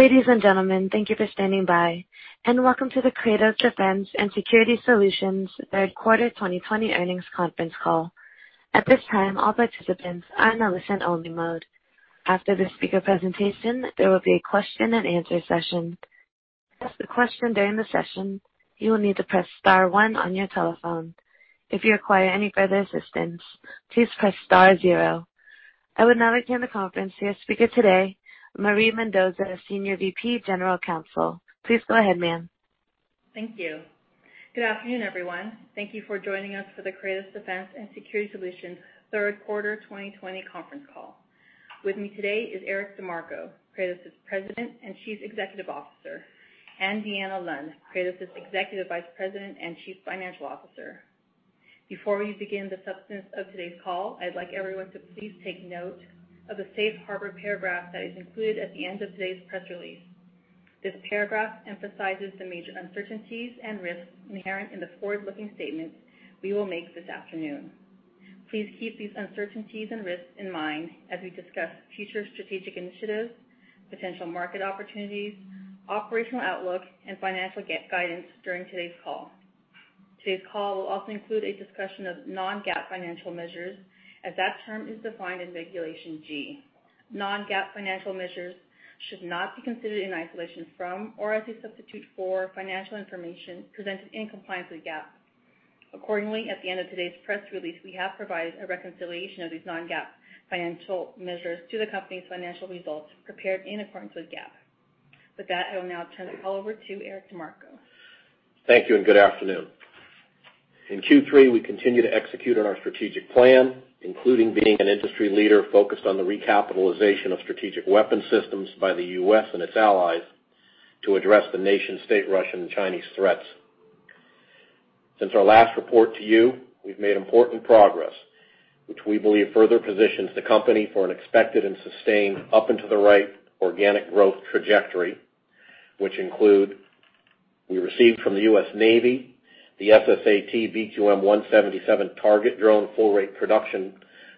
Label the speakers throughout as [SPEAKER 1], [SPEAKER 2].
[SPEAKER 1] Ladies and gentlemen, thank you for standing by, and welcome to the Kratos Defense & Security Solutions third quarter 2020 earnings conference call. At this time all participants are in listen only mode. After the speakers' presentation, there will be a question and answer session. To ask a question during the session you will need to press star one on your telephone, if anyone requires operator's assistance please press star zero. I would now like to hand the conference to your speaker today, Marie Mendoza, Senior VP, General Counsel. Please go ahead, ma'am.
[SPEAKER 2] Thank you. Good afternoon, everyone. Thank you for joining us for the Kratos Defense & Security Solutions third quarter 2020 conference call. With me today is Eric DeMarco, Kratos' President and Chief Executive Officer, and Deanna Lund, Kratos' Executive Vice President and Chief Financial Officer. Before we begin the substance of today's call, I'd like everyone to please take note of the safe harbor paragraph that is included at the end of today's press release. This paragraph emphasizes the major uncertainties and risks inherent in the forward-looking statements we will make this afternoon. Please keep these uncertainties and risks in mind as we discuss future strategic initiatives, potential market opportunities, operational outlook, and financial guidance during today's call. Today's call will also include a discussion of non-GAAP financial measures, as that term is defined in Regulation G. Non-GAAP financial measures should not be considered in isolation from, or as a substitute for, financial information presented in compliance with GAAP. Accordingly, at the end of today's press release, we have provided a reconciliation of these non-GAAP financial measures to the company's financial results prepared in accordance with GAAP. With that, I will now turn the call over to Eric DeMarco.
[SPEAKER 3] Thank you. Good afternoon. In Q3, we continue to execute on our strategic plan, including being an industry leader focused on the recapitalization of strategic weapon systems by the U.S. and its allies to address the nation-state Russian and Chinese threats. Since our last report to you, we've made important progress, which we believe further positions the company for an expected and sustained up-and-to-the-right organic growth trajectory, which include we received from the U.S. Navy the SSAT BQM-177 target drone full rate production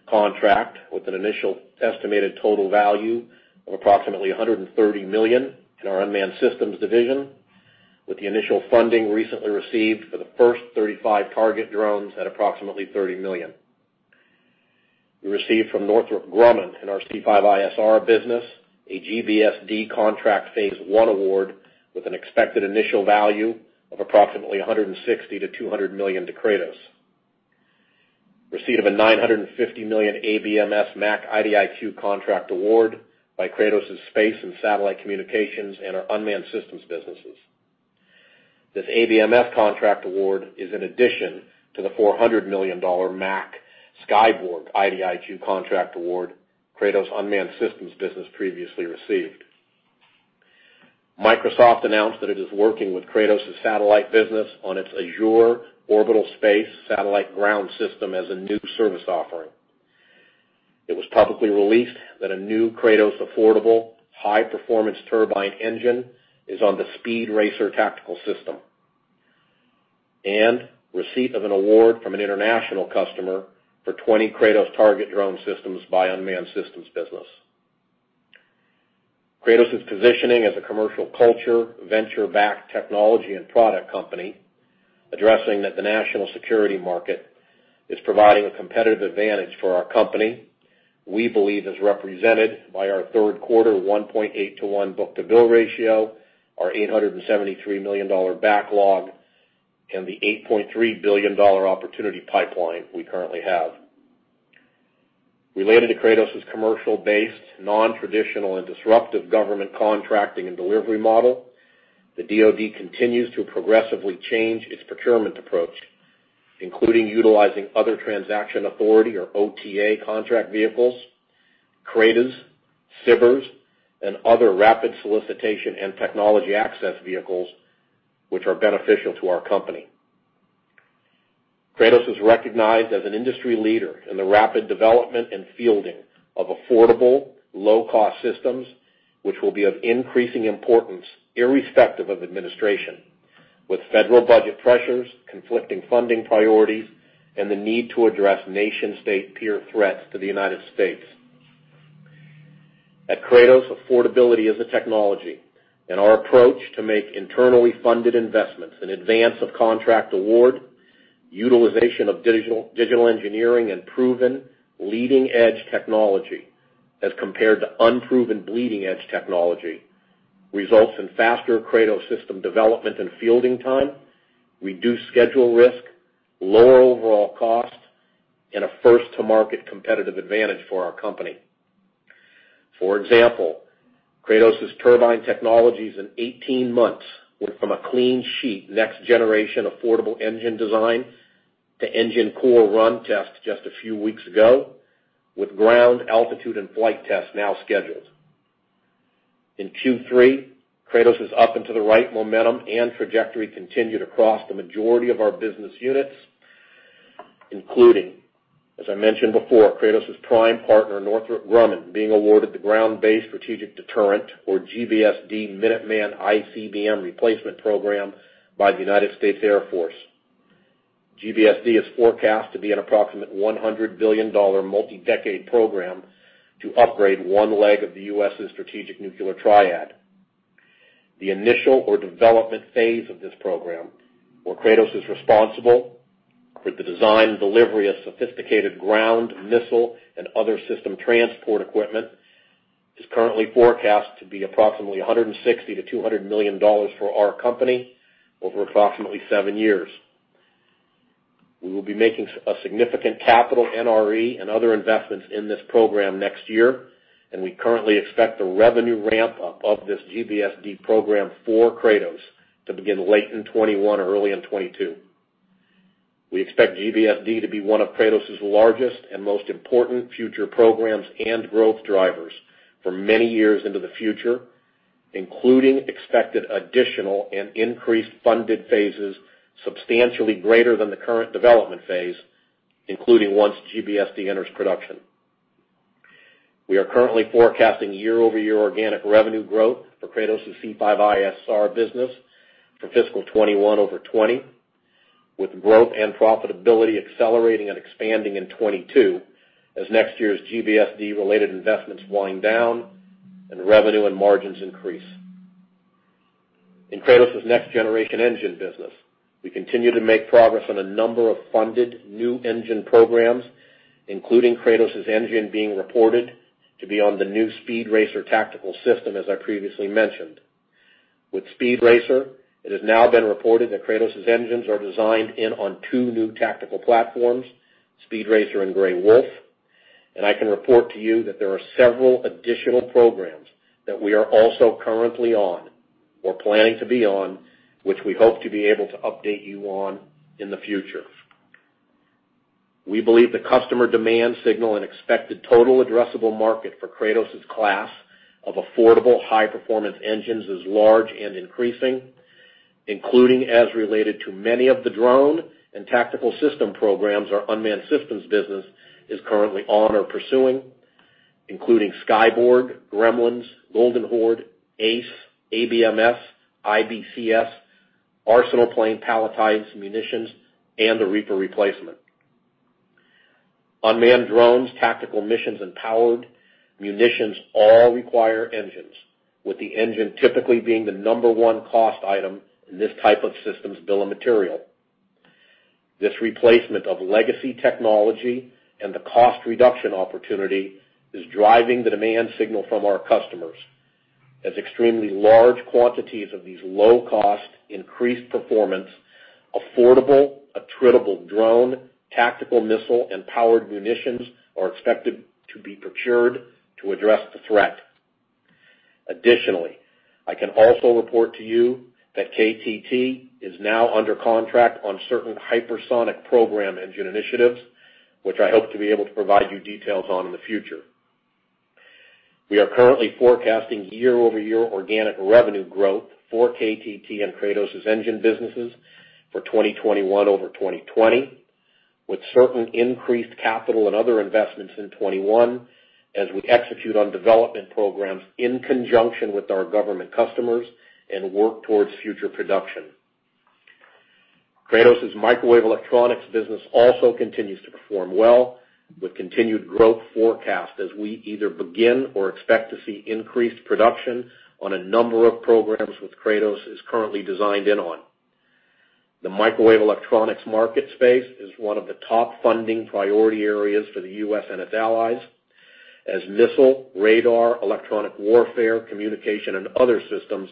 [SPEAKER 3] contract with an initial estimated total value of approximately $130 million in our Unmanned Systems Division with the initial funding recently received for the first 35 target drones at approximately $30 million. We received from Northrop Grumman in our C5ISR business a GBSD contract phase 1 award with an expected initial value of approximately $160 million-$200 million to Kratos. Receipt of a $950 million ABMS MAC IDIQ contract award by Kratos' space and satellite communications and our unmanned systems businesses. This ABMS contract award is an addition to the $400 million MAC Skyborg IDIQ contract award Kratos' unmanned systems business previously received. Microsoft announced that it is working with Kratos' satellite business on its Azure Orbital satellite ground system as a new service offering. It was publicly released that a new Kratos affordable high-performance turbine engine is on the Speed Racer tactical system. Receipt of an award from an international customer for 20 Kratos target drone systems by unmanned systems business. Kratos is positioning as a commercial culture venture-backed technology and product company addressing that the national security market is providing a competitive advantage for our company we believe is represented by our third quarter 1.8 to 1 book-to-bill ratio, our $873 million backlog, and the $8.3 billion opportunity pipeline we currently have. Related to Kratos' commercial-based, non-traditional, and disruptive government contracting and delivery model, the DoD continues to progressively change its procurement approach, including utilizing other transaction authority or OTA contract vehicles, CRADAs, SBIRs, and other rapid solicitation and technology access vehicles which are beneficial to our company. Kratos is recognized as an industry leader in the rapid development and fielding of affordable low-cost systems, which will be of increasing importance irrespective of administration with federal budget pressures, conflicting funding priorities, and the need to address nation-state peer threats to the United States. At Kratos, affordability is a technology, and our approach to make internally funded investments in advance of contract award, utilization of digital engineering, and proven leading-edge technology as compared to unproven bleeding-edge technology results in faster Kratos system development and fielding time, reduced schedule risk, lower overall cost, and a first-to-market competitive advantage for our company. For example, Kratos' turbine technologies in 18 months went from a clean sheet, next generation affordable engine design to engine core run test just a few weeks ago with ground altitude and flight tests now scheduled. In Q3, Kratos' up-and-to-the-right momentum and trajectory continued across the majority of our business units, including, as I mentioned before, Kratos' prime partner, Northrop Grumman, being awarded the Ground Based Strategic Deterrent or GBSD Minuteman ICBM replacement program by the United States Air Force. GBSD is forecast to be an approximate $100 billion multi-decade program to upgrade one leg of the U.S.'s strategic nuclear triad. The initial or development phase of this program, where Kratos is responsible for the design and delivery of sophisticated ground missile and other system transport equipment, is currently forecast to be approximately $160 million-$200 million for our company over approximately seven years. We will be making a significant capital NRE and other investments in this program next year, and we currently expect the revenue ramp-up of this GBSD program for Kratos to begin late in 2021 or early in 2022. We expect GBSD to be one of Kratos' largest and most important future programs and growth drivers for many years into the future, including expected additional and increased funded phases substantially greater than the current development phase, including once GBSD enters production. We are currently forecasting year-over-year organic revenue growth for Kratos' C5ISR business for fiscal 2021 over 2020, with growth and profitability accelerating and expanding in 2022 as next year's GBSD-related investments wind down and revenue and margins increase. In Kratos' next-generation engine business, we continue to make progress on a number of funded new engine programs, including Kratos' engine being reported to be on the new Speed Racer tactical system, as I previously mentioned. With Speed Racer, it has now been reported that Kratos' engines are designed in on two new tactical platforms, Speed Racer and Gray Wolf. I can report to you that there are several additional programs that we are also currently on or planning to be on, which we hope to be able to update you on in the future. We believe the customer demand signal and expected total addressable market for Kratos' class of affordable high-performance engines is large and increasing, including as related to many of the drone and tactical system programs our unmanned systems business is currently on or pursuing, including Skyborg, Gremlins, Golden Horde, ACE, ABMS, IBCS, Arsenal plane palletized munitions, and the Reaper replacement. Unmanned drones, tactical missions, and powered munitions all require engines, with the engine typically being the number 1 cost item in this type of system's bill of material. This replacement of legacy technology and the cost reduction opportunity is driving the demand signal from our customers, as extremely large quantities of these low-cost, increased performance, affordable, attritable drone, tactical missile, and powered munitions are expected to be procured to address the threat. I can also report to you that KTT is now under contract on certain hypersonic program engine initiatives, which I hope to be able to provide you details on in the future. We are currently forecasting year-over-year organic revenue growth for KTT and Kratos' engine businesses for 2021 over 2020, with certain increased capital and other investments in 2021 as we execute on development programs in conjunction with our government customers and work towards future production. Kratos' microwave electronics business also continues to perform well with continued growth forecast as we either begin or expect to see increased production on a number of programs which Kratos is currently designed in on. The microwave electronics market space is one of the top funding priority areas for the U.S. and its allies as missile, radar, electronic warfare, communication, and other systems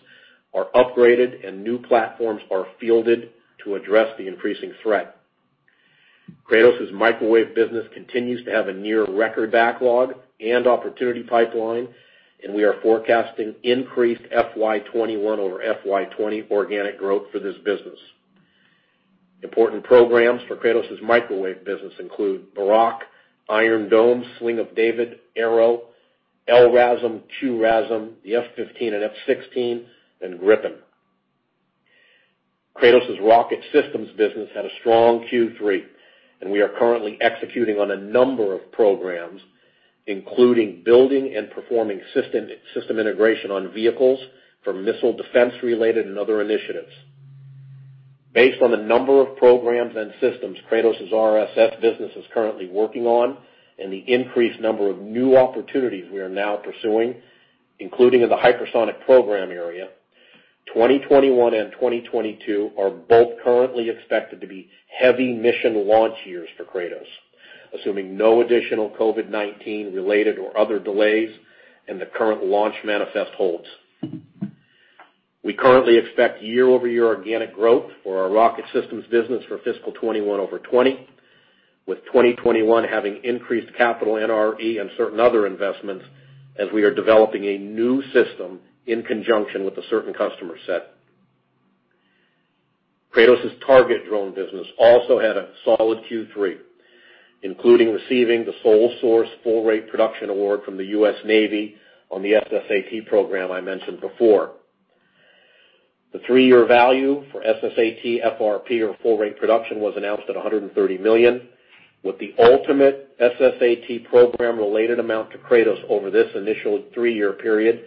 [SPEAKER 3] are upgraded and new platforms are fielded to address the increasing threat. Kratos' microwave business continues to have a near record backlog and opportunity pipeline, and we are forecasting increased FY 2021 over FY 2020 organic growth for this business. Important programs for Kratos' microwave business include Barak, Iron Dome, David's Sling, Arrow, LRASM, QRSAM, the F-15 and F-16, and Griffin. Kratos' rocket systems business had a strong Q3, and we are currently executing on a number of programs, including building and performing system integration on vehicles for missile defense-related and other initiatives. Based on the number of programs and systems Kratos' RSS business is currently working on and the increased number of new opportunities we are now pursuing, including in the hypersonic program area, 2021 and 2022 are both currently expected to be heavy mission launch years for Kratos, assuming no additional COVID-19 related or other delays and the current launch manifest holds. We currently expect year-over-year organic growth for our rocket systems business for fiscal 2021 over 2020, with 2021 having increased capital NRE and certain other investments as we are developing a new system in conjunction with a certain customer set. Kratos' target drone business also had a solid Q3, including receiving the sole source Full-Rate Production Award from the U.S. Navy on the SSAT program I mentioned before. The three-year value for SSAT FRP or full-rate production was announced at $130 million. With the ultimate SSAT program related amount to Kratos over this initial three-year period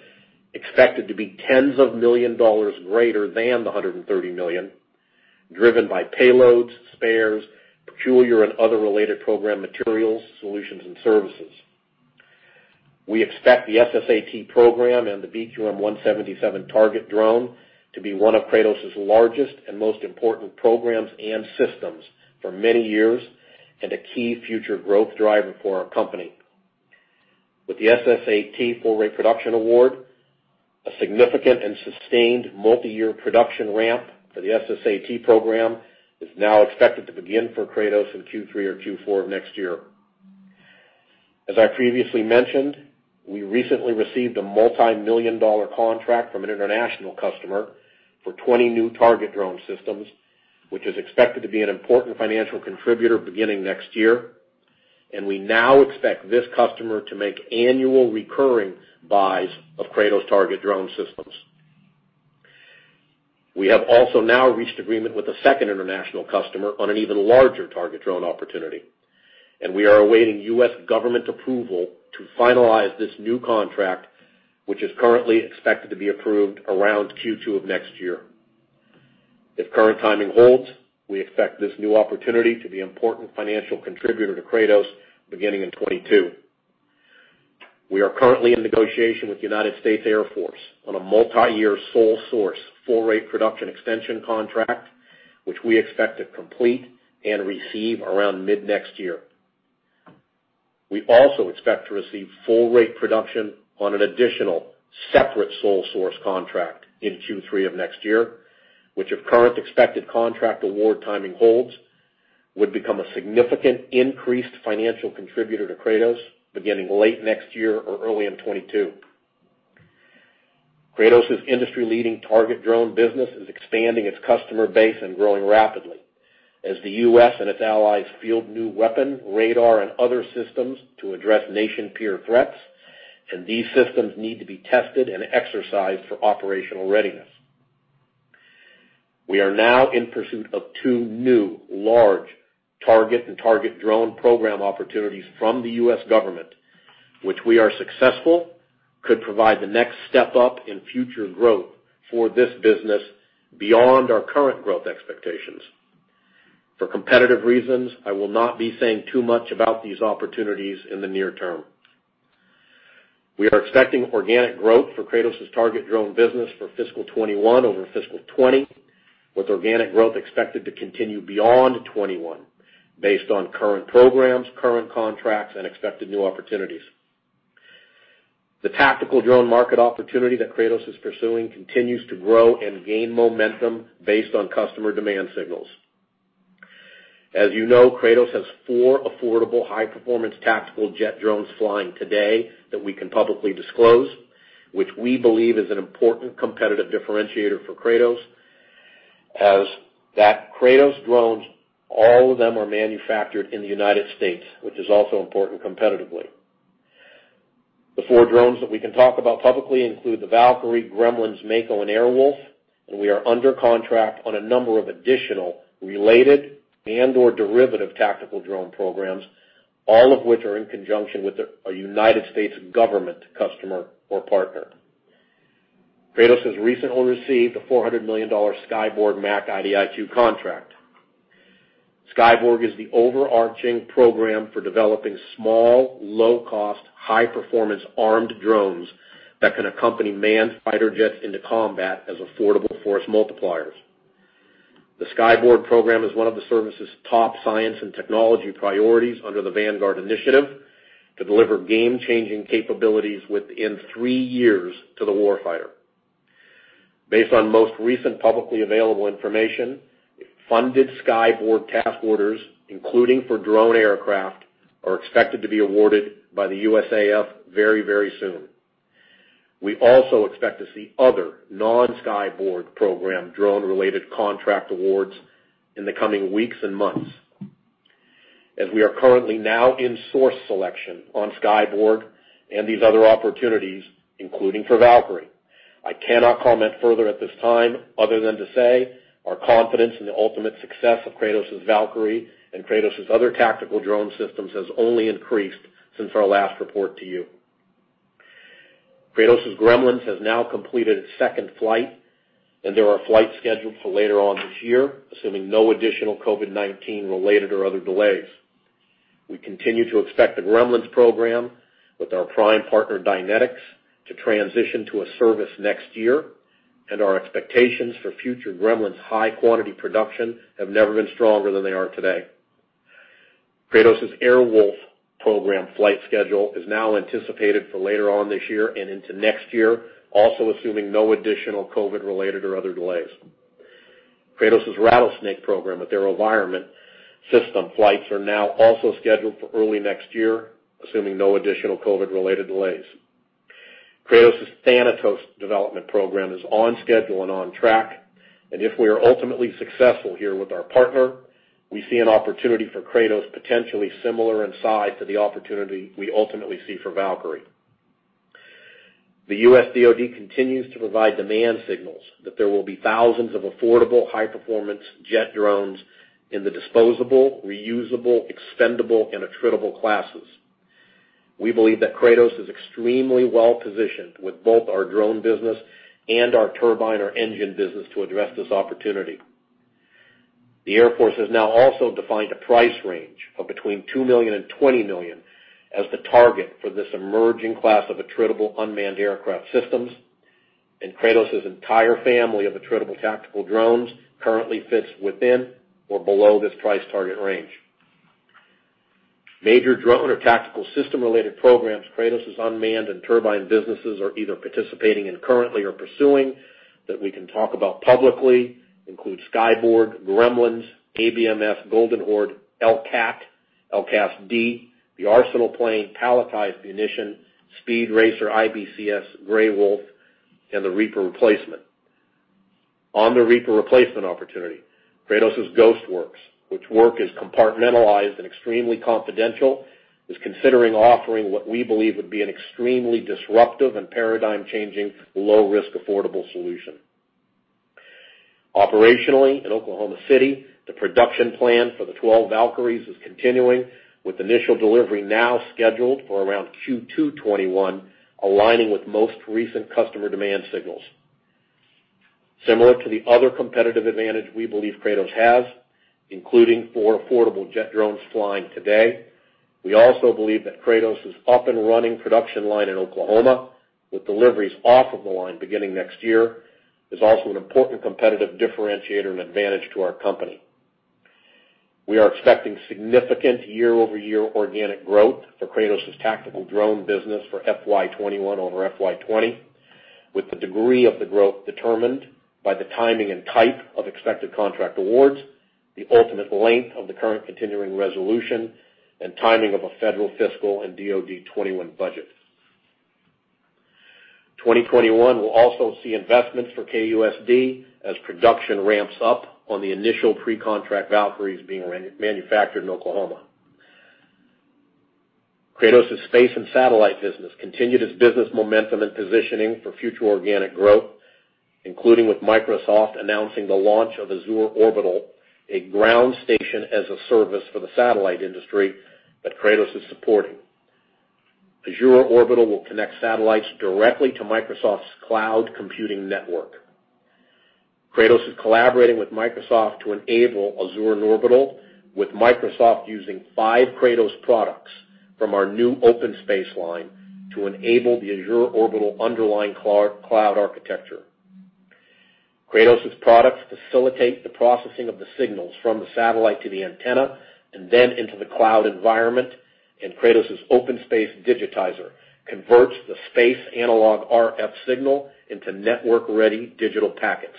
[SPEAKER 3] expected to be tens of million dollars greater than the $130 million, driven by payloads, spares, peculiar and other related program materials, solutions, and services. We expect the SSAT program and the BQM-177 target drone to be one of Kratos' largest and most important programs and systems for many years, and a key future growth driver for our company. With the SSAT full-rate production award, a significant and sustained multi-year production ramp for the SSAT program is now expected to begin for Kratos in Q3 or Q4 of next year. As I previously mentioned, we recently received a multimillion-dollar contract from an international customer for 20 new target drone systems, which is expected to be an important financial contributor beginning next year. We now expect this customer to make annual recurring buys of Kratos target drone systems. We have also now reached agreement with a second international customer on an even larger target drone opportunity. We are awaiting U.S. government approval to finalize this new contract, which is currently expected to be approved around Q2 of next year. If current timing holds, we expect this new opportunity to be an important financial contributor to Kratos beginning in 2022. We are currently in negotiation with United States Air Force on a multi-year sole source, full-rate production extension contract, which we expect to complete and receive around mid-next year. We also expect to receive full-rate production on an additional separate sole source contract in Q3 of next year, which if current expected contract award timing holds, would become a significant increased financial contributor to Kratos beginning late next year or early in 2022. Kratos' industry-leading target drone business is expanding its customer base and growing rapidly as the U.S. and its allies field new weapon, radar, and other systems to address nation peer threats. These systems need to be tested and exercised for operational readiness. We are now in pursuit of two new large target and target drone program opportunities from the U.S. government, which we are successful, could provide the next step up in future growth for this business beyond our current growth expectations. For competitive reasons, I will not be saying too much about these opportunities in the near term. We are expecting organic growth for Kratos' target drone business for fiscal 2021 over fiscal 2020, with organic growth expected to continue beyond 2021 based on current programs, current contracts, and expected new opportunities. The tactical drone market opportunity that Kratos is pursuing continues to grow and gain momentum based on customer demand signals. As you know, Kratos has four affordable, high-performance tactical jet drones flying today that we can publicly disclose, which we believe is an an important competitive differentiator for Kratos, as that Kratos drones, all of them are manufactured in the United States, which is also important competitively. The four drones that we can talk about publicly include the Valkyrie, Gremlins, Mako, and Air Wolf, and we are under contract on a number of additional related and/or derivative tactical drone programs, all of which are in conjunction with a United States government customer or partner. Kratos has recently received a $400 million Skyborg MAC IDIQ contract. Skyborg is the overarching program for developing small, low-cost, high-performance armed drones that can accompany manned fighter jets into combat as affordable force multipliers. The Skyborg program is one of the service's top science and technology priorities under the Vanguard initiative to deliver game-changing capabilities within three years to the war fighter. Based on most recent publicly available information, funded Skyborg task orders, including for drone aircraft, are expected to be awarded by the USAF very, very soon. We also expect to see other non-Skyborg program drone-related contract awards in the coming weeks and months. As we are currently now in source selection on Skyborg and these other opportunities, including for Valkyrie, I cannot comment further at this time, other than to say our confidence in the ultimate success of Kratos' Valkyrie and Kratos' other tactical drone systems has only increased since our last report to you. Kratos' Gremlins has now completed its second flight, and there are flights scheduled for later on this year, assuming no additional COVID-19 related or other delays. We continue to expect the Gremlins program with our prime partner, Dynetics, to transition to a service next year, and our expectations for future Gremlins' high quantity production have never been stronger than they are today. Kratos' Air Wolf program flight schedule is now anticipated for later on this year and into next year, also assuming no additional COVID related or other delays. Kratos' Rattlesnake program with AeroVironment system flights are now also scheduled for early next year, assuming no additional COVID related delays. Kratos' Thanatos development program is on schedule and on track, and if we are ultimately successful here with our partner, we see an opportunity for Kratos potentially similar in size to the opportunity we ultimately see for Valkyrie. The U.S. DOD continues to provide demand signals that there will be thousands of affordable high-performance jet drones in the disposable, reusable, expendable, and attritable classes. We believe that Kratos is extremely well-positioned with both our drone business and our turbine or engine business to address this opportunity. The Air Force has now also defined a price range of between $2 million and $20 million as the target for this emerging class of attritable unmanned aircraft systems, and Kratos' entire family of attritable tactical drones currently fits within or below this price target range. Major drone or tactical system-related programs Kratos' unmanned and turbine businesses are either participating in currently or pursuing that we can talk about publicly include Skyborg, Gremlins, ABMS, Golden Horde, LCAC, LCASD, the Arsenal plane, palletized munition, Speed Racer, IBCS, Gray Wolf, and the Reaper replacement. On the Reaper replacement opportunity, Kratos' Ghost Works, which work is compartmentalized and extremely confidential, is considering offering what we believe would be an extremely disruptive and paradigm-changing, low-risk, affordable solution. Operationally in Oklahoma City, the production plan for the 12 Valkyries is continuing, with initial delivery now scheduled for around Q2 2021, aligning with most recent customer demand signals. Similar to the other competitive advantage we believe Kratos has, including four affordable jet drones flying today. We also believe that Kratos' up and running production line in Oklahoma with deliveries off of the line beginning next year, is also an important competitive differentiator and advantage to our company. We are expecting significant year-over-year organic growth for Kratos' tactical drone business for FY 2021 over FY 2020, with the degree of the growth determined by the timing and type of expected contract awards, the ultimate length of the current continuing resolution, and timing of a federal fiscal and DoD 2021 budget. 2021 will also see investments for KUSD as production ramps up on the initial pre-contract Valkyries being manufactured in Oklahoma. Kratos' space and satellite business continued its business momentum and positioning for future organic growth, including with Microsoft announcing the launch of Azure Orbital, a ground station as a service for the satellite industry that Kratos is supporting. Azure Orbital will connect satellites directly to Microsoft's cloud computing network. Kratos is collaborating with Microsoft to enable Azure Orbital, with Microsoft using five Kratos products from our new OpenSpace line to enable the Azure Orbital underlying cloud architecture. Kratos' products facilitate the processing of the signals from the satellite to the antenna, and then into the cloud environment, and Kratos' OpenSpace digitizer converts the space analog RF signal into network-ready digital packets.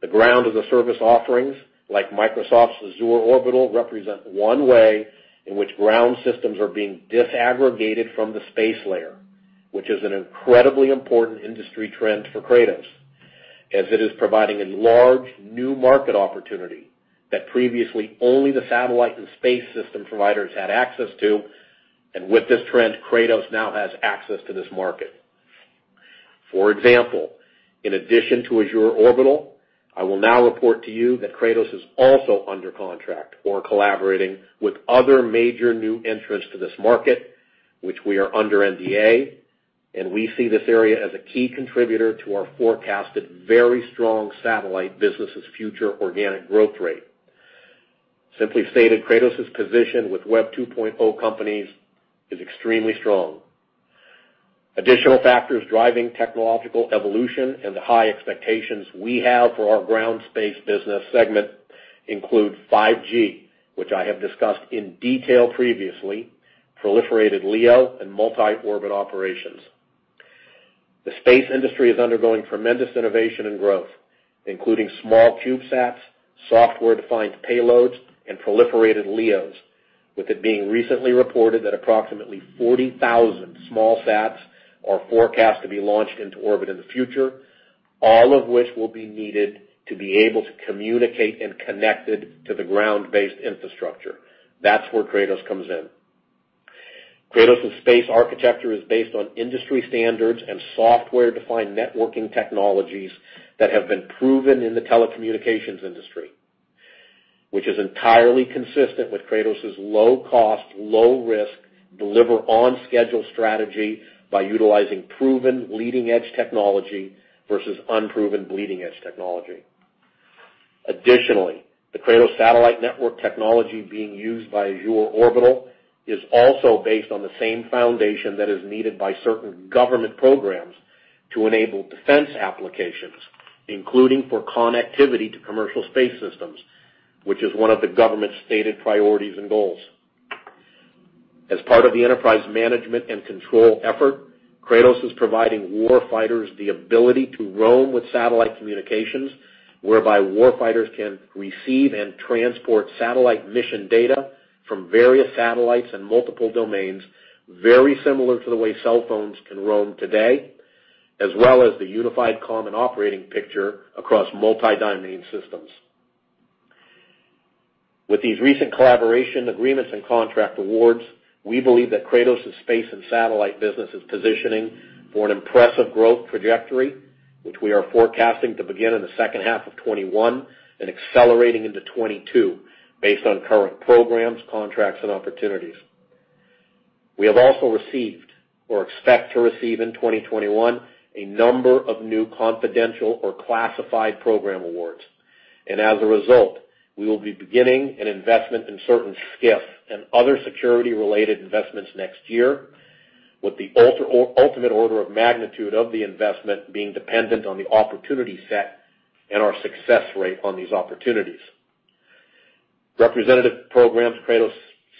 [SPEAKER 3] The ground as a service offerings like Microsoft's Azure Orbital represent one way in which ground systems are being disaggregated from the space layer, which is an incredibly important industry trend for Kratos, as it is providing a large new market opportunity that previously only the satellite and space system providers had access to. With this trend, Kratos now has access to this market. For example, in addition to Azure Orbital, I will now report to you that Kratos is also under contract or collaborating with other major new entrants to this market, which we are under NDA. We see this area as a key contributor to our forecasted very strong satellite business' future organic growth rate. Simply stated, Kratos' position with Web 2.0 companies is extremely strong. Additional factors driving technological evolution and the high expectations we have for our ground space business segment include 5G, which I have discussed in detail previously, proliferated LEO and multi-orbit operations. The space industry is undergoing tremendous innovation and growth, including small CubeSats, software-defined payloads, and proliferated LEOs, with it being recently reported that approximately 40,000 small sats are forecast to be launched into orbit in the future, all of which will be needed to be able to communicate and connected to the ground-based infrastructure. That's where Kratos comes in. Kratos' space architecture is based on industry standards and software-defined networking technologies that have been proven in the telecommunications industry, which is entirely consistent with Kratos' low cost, low risk, deliver on schedule strategy by utilizing proven leading-edge technology versus unproven bleeding-edge technology. Additionally, the Kratos satellite network technology being used by Azure Orbital is also based on the same foundation that is needed by certain government programs to enable defense applications, including for connectivity to commercial space systems, which is one of the government's stated priorities and goals. As part of the enterprise management and control effort, Kratos is providing war fighters the ability to roam with satellite communications, whereby war fighters can receive and transport satellite mission data from various satellites and multiple domains, very similar to the way cell phones can roam today, as well as the unified common operating picture across multi-domain systems. With these recent collaboration agreements and contract awards, we believe that Kratos' space and satellite business is positioning for an impressive growth trajectory, which we are forecasting to begin in the second half of 2021 and accelerating into 2022 based on current programs, contracts, and opportunities. We have also received or expect to receive in 2021 a number of new confidential or classified program awards. As a result, we will be beginning an investment in certain SCIFs and other security-related investments next year with the ultimate order of magnitude of the investment being dependent on the opportunity set and our success rate on these opportunities. Representative programs Kratos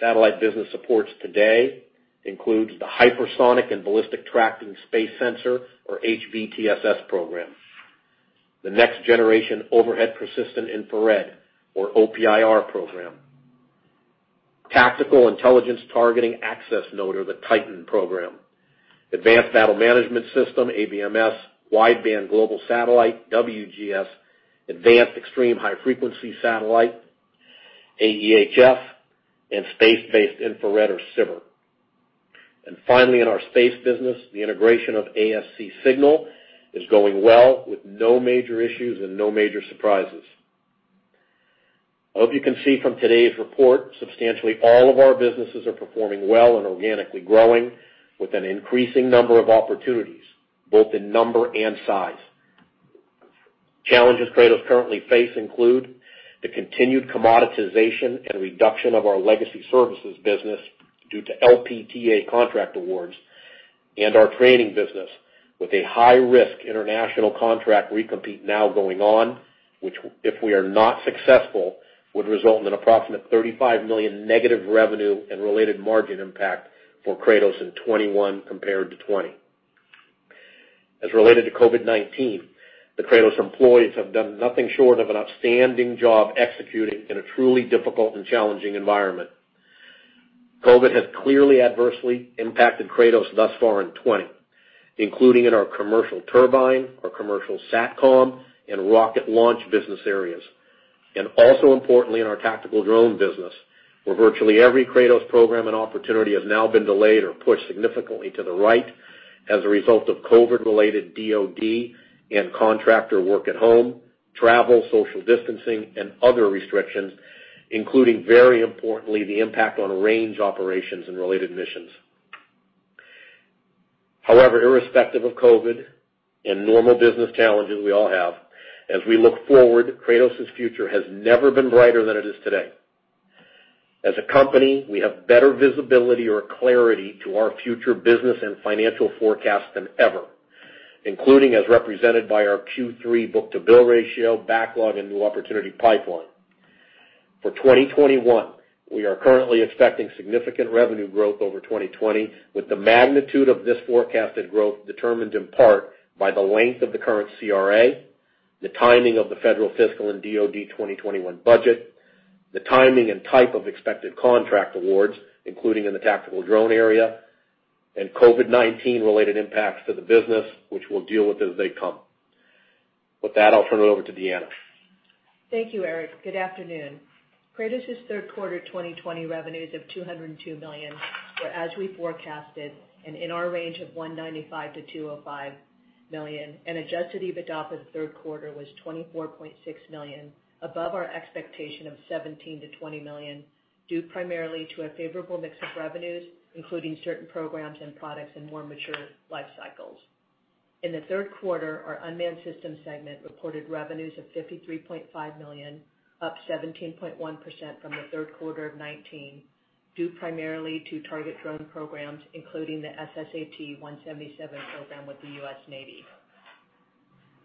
[SPEAKER 3] satellite business supports today includes the Hypersonic and Ballistic Tracking Space Sensor, or HBTSS program, the next generation Overhead Persistent Infrared, or OPIR program, Tactical Intelligence Targeting Access Node, or the TITAN program, Advanced Battle Management System, ABMS, Wideband Global Satellite, WGS, Advanced Extreme High Frequency Satellite, AEHF, and Space-Based Infrared or SBIRS. Finally, in our space business, the integration of ASC Signal is going well with no major issues and no major surprises. I hope you can see from today's report, substantially all of our businesses are performing well and organically growing with an increasing number of opportunities, both in number and size. Challenges Kratos currently face include the continued commoditization and reduction of our legacy services business due to LPTA contract awards and our training business with a high-risk international contract recompete now going on, which, if we are not successful, would result in an approximate $35 million negative revenue and related margin impact for Kratos in 2021 compared to 2020. As related to COVID-19, the Kratos employees have done nothing short of an outstanding job executing in a truly difficult and challenging environment. COVID has clearly adversely impacted Kratos thus far in 2020, including in our commercial turbine, our commercial satcom, and rocket launch business areas, and also importantly in our tactical drone business, where virtually every Kratos program and opportunity has now been delayed or pushed significantly to the right as a result of COVID-related DoD and contractor work at home, travel, social distancing, and other restrictions, including very importantly, the impact on range operations and related missions. However, irrespective of COVID and normal business challenges we all have, as we look forward, Kratos' future has never been brighter than it is today. As a company, we have better visibility or clarity to our future business and financial forecasts than ever, including as represented by our Q3 book-to-bill ratio, backlog, and new opportunity pipeline. For 2021, we are currently expecting significant revenue growth over 2020 with the magnitude of this forecasted growth determined in part by the length of the current CRA, the timing of the federal fiscal and DoD 2021 budget, the timing and type of expected contract awards, including in the tactical drone area, and COVID-19 related impacts to the business, which we'll deal with as they come. With that, I'll turn it over to Deanna.
[SPEAKER 4] Thank you, Eric. Good afternoon. Kratos' third quarter 2020 revenues of $202 million were as we forecasted and in our range of $195 million-$205 million. Adjusted EBITDA for the third quarter was $24.6 million, above our expectation of $17 million-$20 million, due primarily to a favorable mix of revenues, including certain programs and products in more mature life cycles. In the third quarter, our Unmanned Systems segment reported revenues of $53.5 million, up 17.1% from the third quarter of 2019, due primarily to target drone programs, including the SSAT 177 program with the U.S. Navy.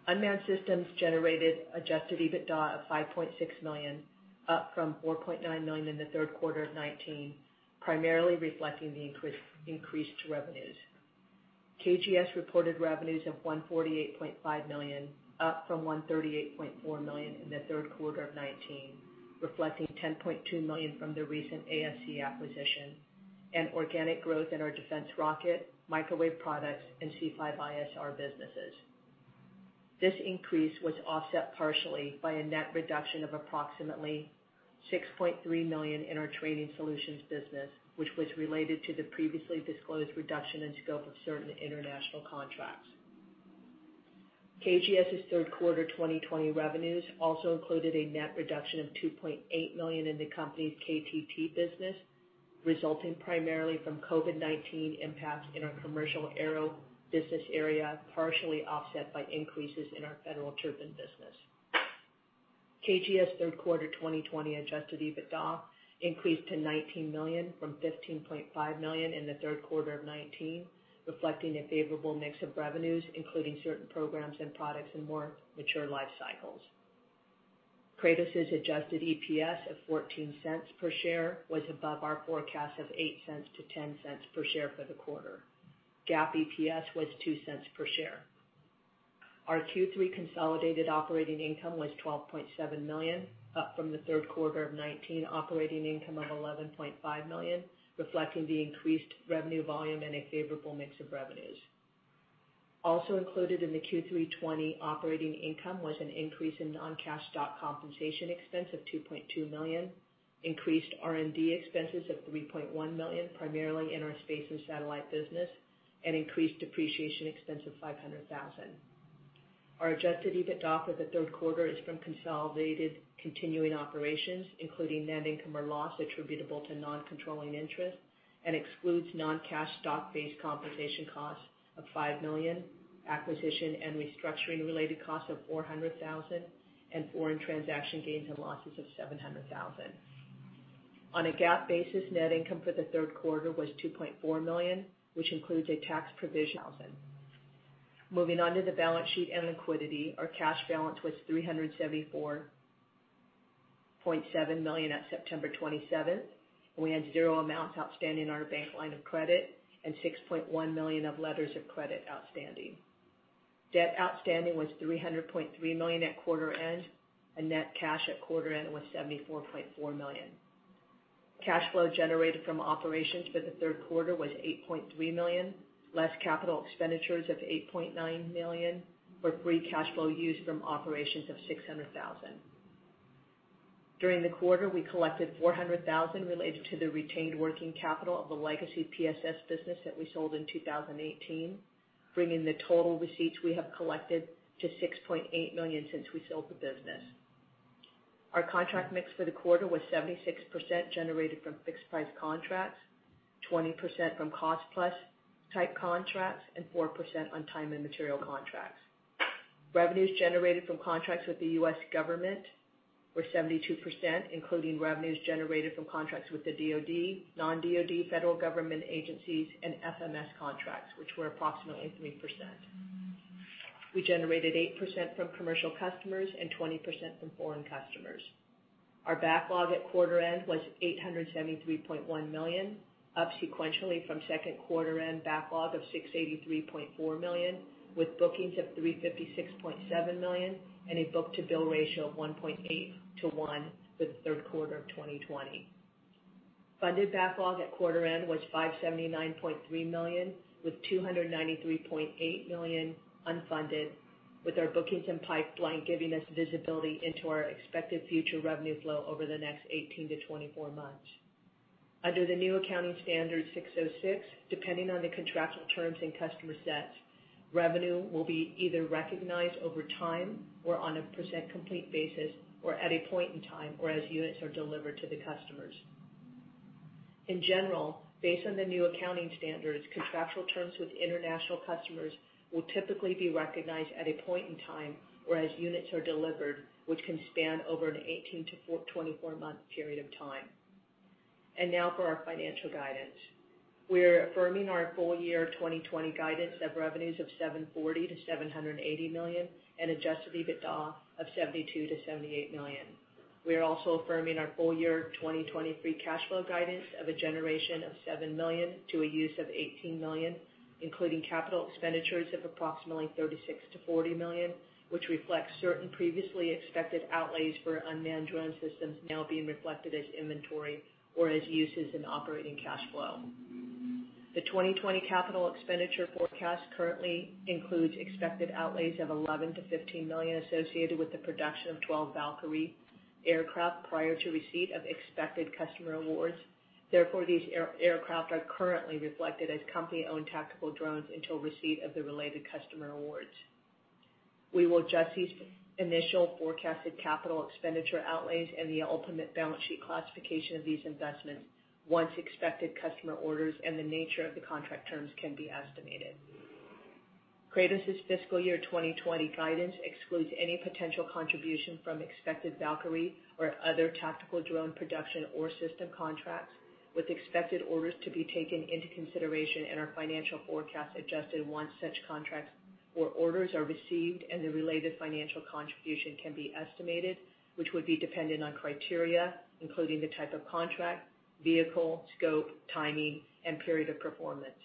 [SPEAKER 4] Unmanned Systems generated adjusted EBITDA of $5.6 million, up from $4.9 million in the third quarter of 2019, primarily reflecting the increase to revenues. KGS reported revenues of $148.5 million, up from $138.4 million in the third quarter of 2019, reflecting $10.2 million from the recent ASC acquisition and organic growth in our defense rocket, microwave products, and C5ISR businesses. This increase was offset partially by a net reduction of approximately $6.3 million in our training solutions business, which was related to the previously disclosed reduction in scope of certain international contracts. KGS's third quarter 2020 revenues also included a net reduction of $2.8 million in the company's KTT business, resulting primarily from COVID-19 impacts in our commercial aero business area, partially offset by increases in our federal turbine business. KGS third quarter 2020 adjusted EBITDA increased to $19 million from $15.5 million in the third quarter of 2019, reflecting a favorable mix of revenues, including certain programs and products in more mature life cycles. Kratos' adjusted EPS of $0.14 per share was above our forecast of $0.08-$0.10 per share for the quarter. GAAP EPS was $0.02 per share. Our Q3 consolidated operating income was $12.7 million, up from the third quarter of 2019 operating income of $11.5 million, reflecting the increased revenue volume and a favorable mix of revenues. Included in the Q3 2020 operating income was an increase in non-cash stock compensation expense of $2.2 million, increased R&D expenses of $3.1 million, primarily in our space and satellite business, and increased depreciation expense of $500,000. Our adjusted EBITDA for the third quarter is from consolidated continuing operations, including net income or loss attributable to non-controlling interest, and excludes non-cash stock-based compensation costs of $5 million, acquisition and restructuring related costs of $400,000, and foreign transaction gains and losses of $700,000. On a GAAP basis, net income for the third quarter was $2.4 million, which includes a tax provision [thousand]. Moving on to the balance sheet and liquidity, our cash balance was $374.7 million at September 27th. We had zero amounts outstanding on our bank line of credit and $6.1 million of letters of credit outstanding. Debt outstanding was $300.3 million at quarter end, and net cash at quarter end was $74.4 million. Cash flow generated from operations for the third quarter was $8.3 million, less capital expenditures of $8.9 million, for free cash flow used from operations of $600,000. During the quarter, we collected $400,000 related to the retained working capital of the legacy PSS business that we sold in 2018, bringing the total receipts we have collected to $6.8 million since we sold the business. Our contract mix for the quarter was 76% generated from fixed price contracts, 20% from cost-plus type contracts, and 4% on time and material contracts. Revenues generated from contracts with the U.S. government were 72%, including revenues generated from contracts with the DoD, non-DoD federal government agencies, and FMS contracts, which were approximately 3%. We generated 8% from commercial customers and 20% from foreign customers. Our backlog at quarter end was $873.1 million, up sequentially from second quarter end backlog of $683.4 million, with bookings of $356.7 million and a book-to-bill ratio of 1.8 to 1 for the third quarter of 2020. Funded backlog at quarter end was $579.3 million, with $293.8 million unfunded, with our bookings and pipeline giving us visibility into our expected future revenues flow over the next 18 to 24 months. Under the new accounting standard 606, depending on the contractual terms and customer sets, revenue will be either recognized over time or on a % complete basis, or at a point in time, or as units are delivered to the customers. In general, based on the new accounting standards, contractual terms with international customers will typically be recognized at a point in time, or as units are delivered, which can span over an 18 to 24-month period of time. Now for our financial guidance. We're affirming our full year 2020 guidance of revenues of $740 million-$780 million and adjusted EBITDA of $72 million-$78 million. We are also affirming our full year 2020 free cash flow guidance of a generation of $7 million to a use of $18 million, including capital expenditures of approximately $36 million-$40 million, which reflects certain previously expected outlays for unmanned drone systems now being reflected as inventory or as uses in operating cash flow. The 2020 capital expenditure forecast currently includes expected outlays of $11 million-$15 million associated with the production of 12 Valkyrie aircraft prior to receipt of expected customer awards. These aircraft are currently reflected as company-owned tactical drones until receipt of the related customer awards. We will adjust these initial forecasted capital expenditure outlays and the ultimate balance sheet classification of these investments once expected customer orders and the nature of the contract terms can be estimated. Kratos's fiscal year 2020 guidance excludes any potential contribution from expected Valkyrie or other tactical drone production or system contracts, with expected orders to be taken into consideration in our financial forecast adjusted once such contracts or orders are received and the related financial contribution can be estimated, which would be dependent on criteria, including the type of contract, vehicle, scope, timing, and period of performance.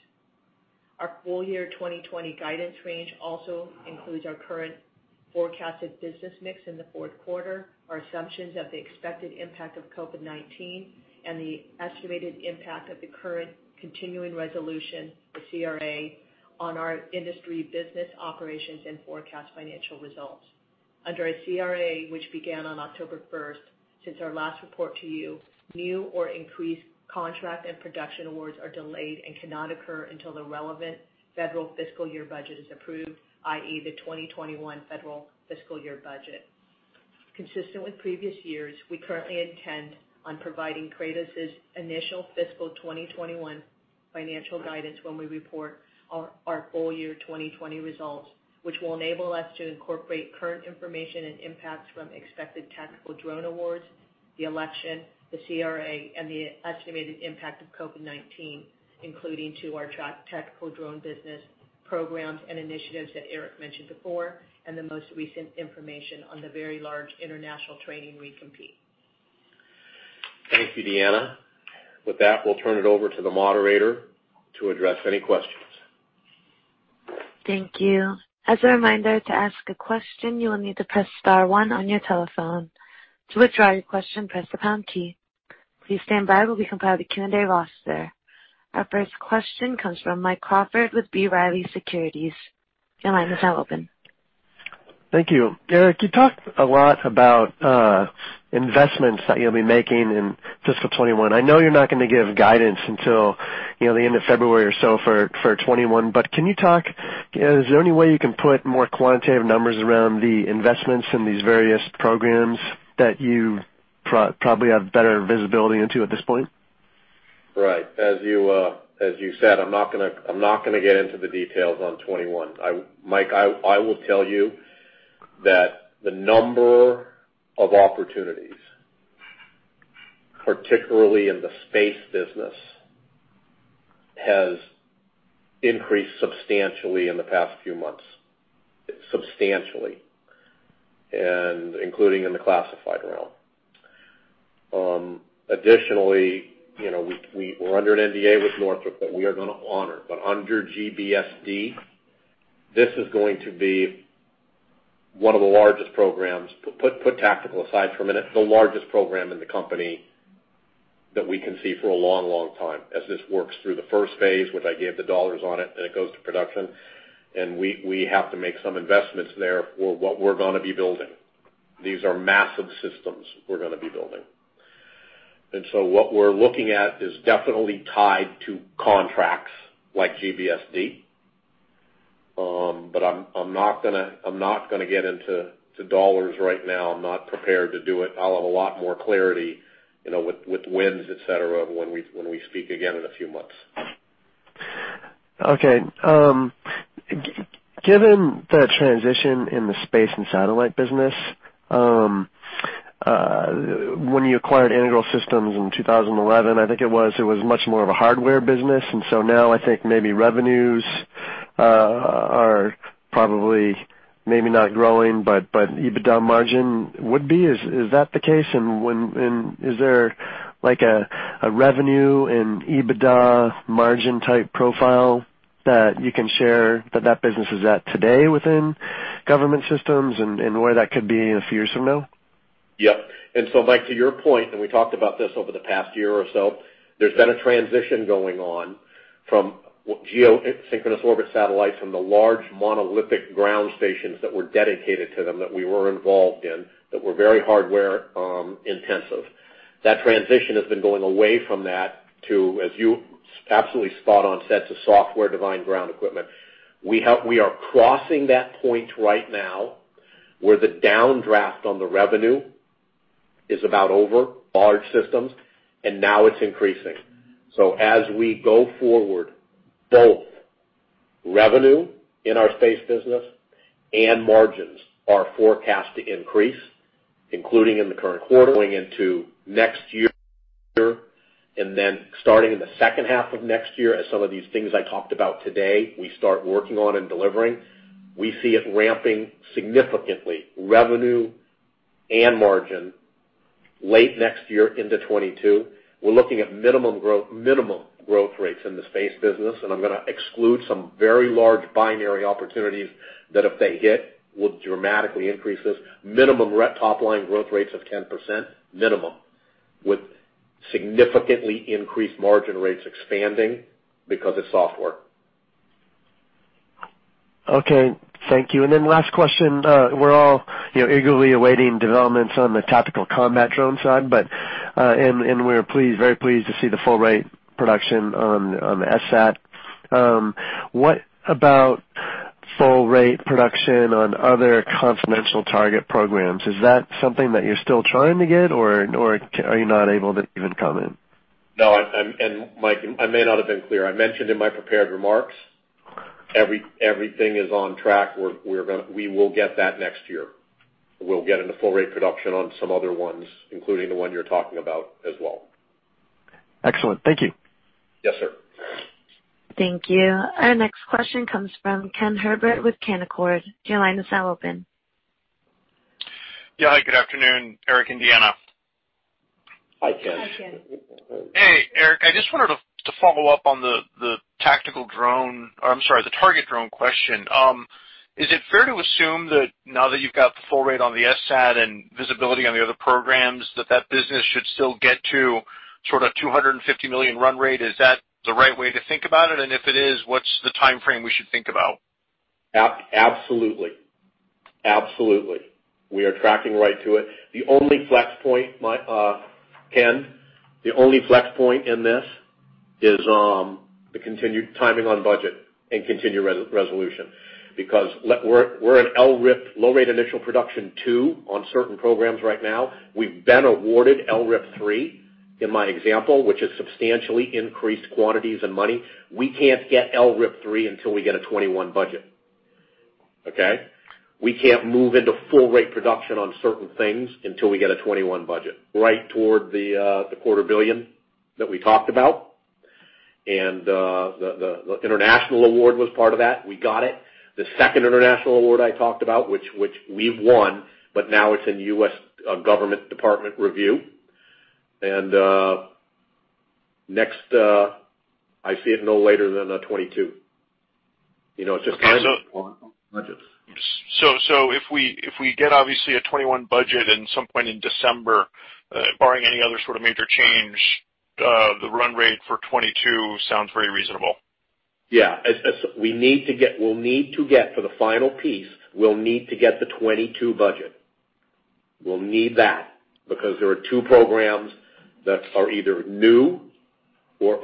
[SPEAKER 4] Our full year 2020 guidance range also includes our current forecasted business mix in the fourth quarter, our assumptions of the expected impact of COVID-19, and the estimated impact of the current continuing resolution, the CRA, on our industry business operations and forecast financial results. Under a CRA, which began on October 1st, since our last report to you, new or increased contract and production awards are delayed and cannot occur until the relevant federal fiscal year budget is approved, i.e., the 2021 federal fiscal year budget. Consistent with previous years, we currently intend on providing Kratos's initial fiscal 2021 financial guidance when we report our full year 2020 results, which will enable us to incorporate current information and impacts from expected tactical drone awards, the election, the CRA, and the estimated impact of COVID-19, including to our tactical drone business programs and initiatives that Eric mentioned before, and the most recent information on the very large international training re-compete.
[SPEAKER 3] Thank you, Deanna. With that, we'll turn it over to the moderator to address any questions.
[SPEAKER 1] Thank you. As a reminder, to ask a question, you will need to press star one on your telephone. To withdraw your question, press the pound key. Our first question comes from Mike Crawford with B. Riley Securities. Your line is now open.
[SPEAKER 5] Thank you. Eric, you talked a lot about investments that you'll be making in fiscal 2021. I know you're not going to give guidance until the end of February or so for 2021. Is there any way you can put more quantitative numbers around the investments in these various programs that you probably have better visibility into at this point?
[SPEAKER 3] Right. As you said, I'm not going to get into the details on 2021. Mike, I will tell you that the number of opportunities, particularly in the space business, has increased substantially in the past few months, substantially, and including in the classified realm. Additionally, we're under an NDA with Northrop that we are going to honor. Under GBSD, this is going to be one of the largest programs, put tactical aside for a minute, the largest program in the company that we can see for a long time. As this works through the first phase, which I gave the dollars on it goes to production, we have to make some investments there for what we're going to be building. These are massive systems we're going to be building. What we're looking at is definitely tied to contracts like GBSD. I'm not going to get into dollars right now. I'm not prepared to do it. I'll have a lot more clarity with wins, et cetera, when we speak again in a few months.
[SPEAKER 5] Okay. Given the transition in the space and satellite business, when you acquired Integral Systems in 2011, I think it was much more of a hardware business. Now I think maybe revenues are probably maybe not growing, but EBITDA margin would be. Is that the case? Is there like a revenue and EBITDA margin type profile that you can share that business is at today within government systems and where that could be in a few years from now?
[SPEAKER 3] Yep. Mike, to your point, we talked about this over the past year or so, there's been a transition going on from geosynchronous orbit satellites from the large monolithic ground stations that were dedicated to them, that we were involved in, that were very hardware intensive. That transition has been going away from that to, as you absolutely spot on, sets of software-defined ground equipment. We are crossing that point right now where the downdraft on the revenue is about over large systems, and now it's increasing. As we go forward, both revenue in our space business and margins are forecast to increase, including in the current quarter going into next year. Starting in the second half of next year, as some of these things I talked about today we start working on and delivering, we see it ramping significantly, revenue and margin, late next year into 2022. We're looking at minimum growth rates in the space business, and I'm going to exclude some very large binary opportunities that if they hit, will dramatically increase this minimum top line growth rates of 10%, minimum, with significantly increased margin rates expanding because of software.
[SPEAKER 5] Okay, thank you. Then last question. We're all eagerly awaiting developments on the tactical combat drone side, and we're very pleased to see the full rate production on the SSAT. What about full rate production on other confidential target programs? Is that something that you're still trying to get, or are you not able to even comment?
[SPEAKER 3] No, Mike, I may not have been clear. I mentioned in my prepared remarks, everything is on track. We will get that next year. We'll get into full rate production on some other ones, including the one you're talking about as well.
[SPEAKER 5] Excellent. Thank you.
[SPEAKER 3] Yes, sir.
[SPEAKER 1] Thank you. Our next question comes from Ken Herbert with Canaccord.
[SPEAKER 6] Hi, good afternoon, Eric and Deanna.
[SPEAKER 3] Hi, Ken.
[SPEAKER 4] Hi, Ken.
[SPEAKER 6] Hey, Eric. I just wanted to follow up on the tactical drone, or I'm sorry, the target drone question. Is it fair to assume that now that you've got the full rate on the SSAT and visibility on the other programs, that that business should still get to sort of $250 million run rate? Is that the right way to think about it? If it is, what's the timeframe we should think about?
[SPEAKER 3] Absolutely. We are tracking right to it. Ken, the only flex point in this is the continued timing on budget and continued resolution. We're at LRIP, low rate initial production 2 on certain programs right now. We've been awarded LRIP 3 in my example, which is substantially increased quantities and money. We can't get LRIP 3 until we get a 2021 budget. Okay? We can't move into full rate production on certain things until we get a 2021 budget. Right toward the quarter billion that we talked about. The international award was part of that. We got it. The second international award I talked about, which we've won, but now it's in U.S. Government Department review. Next, I see it no later than 2022. You know, it's just kind of on budget.
[SPEAKER 6] If we get, obviously, a 2021 budget in some point in December, barring any other sort of major change, the run rate for 2022 sounds very reasonable.
[SPEAKER 3] We'll need to get, for the final piece, we'll need to get the 2022 budget. We'll need that because there are two programs that are either new or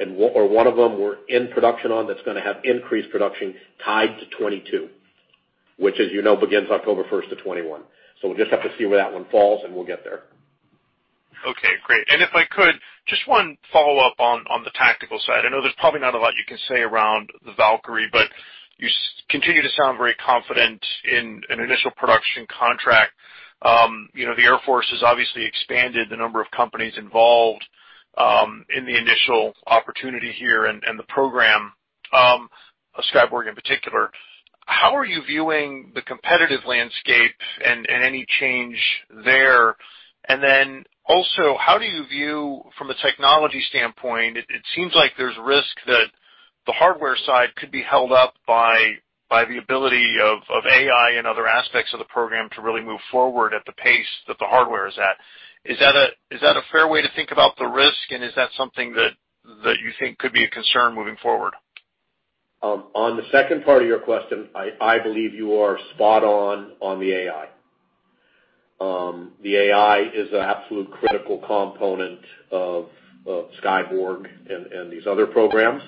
[SPEAKER 3] one of them we're in production on that's going to have increased production tied to 2022, which as you know, begins October 1st of 2021. We'll just have to see where that one falls, and we'll get there.
[SPEAKER 6] Okay, great. If I could, just one follow-up on the tactical side. I know there's probably not a lot you can say around the Valkyrie, but you continue to sound very confident in an initial production contract. The Air Force has obviously expanded the number of companies involved in the initial opportunity here and the program, Skyborg in particular. How are you viewing the competitive landscape and any change there? How do you view from a technology standpoint, it seems like there's risk that the hardware side could be held up by the ability of AI and other aspects of the program to really move forward at the pace that the hardware is at. Is that a fair way to think about the risk, and is that something that you think could be a concern moving forward?
[SPEAKER 3] On the second part of your question, I believe you are spot on the AI. The AI is an absolute critical component of Skyborg and these other programs,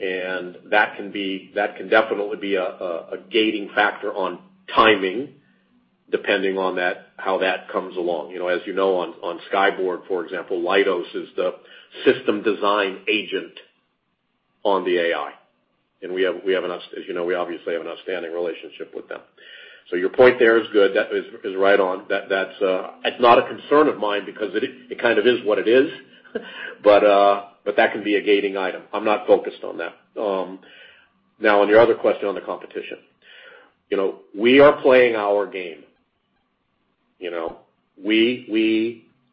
[SPEAKER 3] and that can definitely be a gating factor on timing, depending on how that comes along. As you know, on Skyborg, for example, Leidos is the system design agent on the AI. As you know, we obviously have an outstanding relationship with them. Your point there is good. That is right on. That's not a concern of mine because it kind of is what it is, but that can be a gating item. I'm not focused on that. On your other question on the competition. We are playing our game.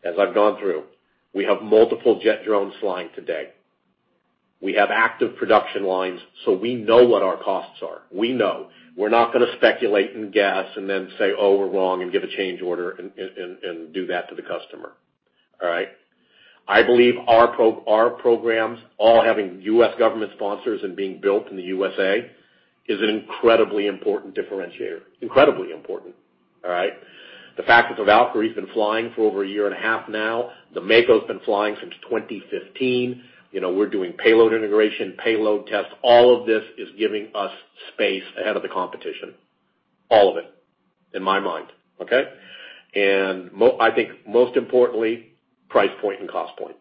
[SPEAKER 3] As I've gone through, we have multiple jet drones flying today. We have active production lines, so we know what our costs are. We know. We're not going to speculate and guess and then say, "Oh, we're wrong," and give a change order, and do that to the customer. All right? I believe our programs all having U.S. government sponsors and being built in the U.S.A. is an incredibly important differentiator. Incredibly important. All right? The fact that the Valkyrie's been flying for over a year and a half now, the Mako's been flying since 2015. We're doing payload integration, payload tests, all of this is giving us space ahead of the competition. All of it, in my mind, okay? I think most importantly, price point and cost point.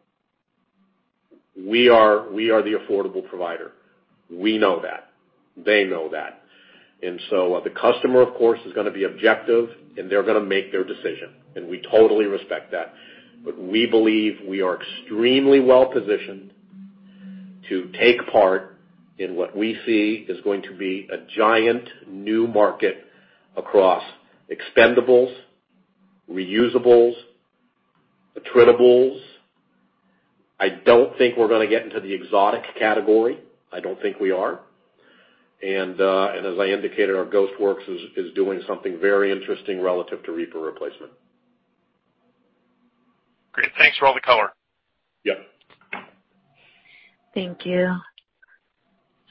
[SPEAKER 3] We are the affordable provider. We know that. They know that. The customer, of course, is going to be objective, and they're going to make their decision, and we totally respect that. We believe we are extremely well-positioned to take part in what we see is going to be a giant new market across expendables, reusables, attritables. I don't think we're going to get into the exotic category. I don't think we are. As I indicated, our Ghost Works is doing something very interesting relative to Reaper replacement.
[SPEAKER 6] Great. Thanks for all the color.
[SPEAKER 3] Yep.
[SPEAKER 1] Thank you.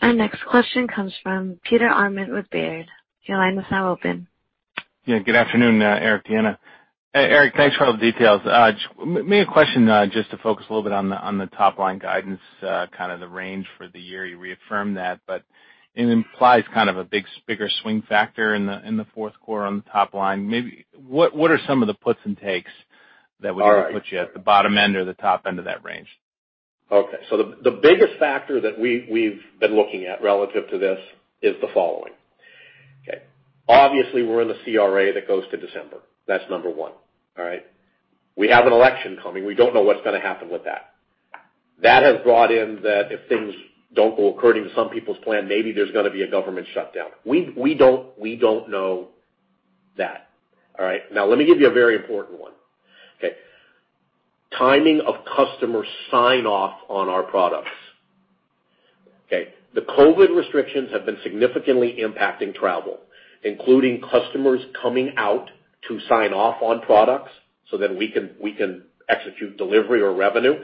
[SPEAKER 1] Our next question comes from Peter Arment with Baird. Your line is now open.
[SPEAKER 7] Good afternoon, Eric, Deanna. Eric, thanks for all the details. May I question just to focus a little bit on the top-line guidance, kind of the range for the year. You reaffirmed that, but it implies kind of a bigger swing factor in the fourth quarter on the top line. What are some of the puts and takes that would really put you at the bottom end or the top end of that range?
[SPEAKER 3] Okay, the biggest factor that we've been looking at relative to this is the following. Okay. We're in the CRA that goes to December. That's number 1. All right? We have an election coming. We don't know what's going to happen with that. That has brought in that if things don't go according to some people's plan, maybe there's going to be a government shutdown. We don't know that. All right? Let me give you a very important one. Okay. Timing of customer sign-off on our products. Okay. The COVID restrictions have been significantly impacting travel, including customers coming out to sign off on products so that we can execute delivery or revenue.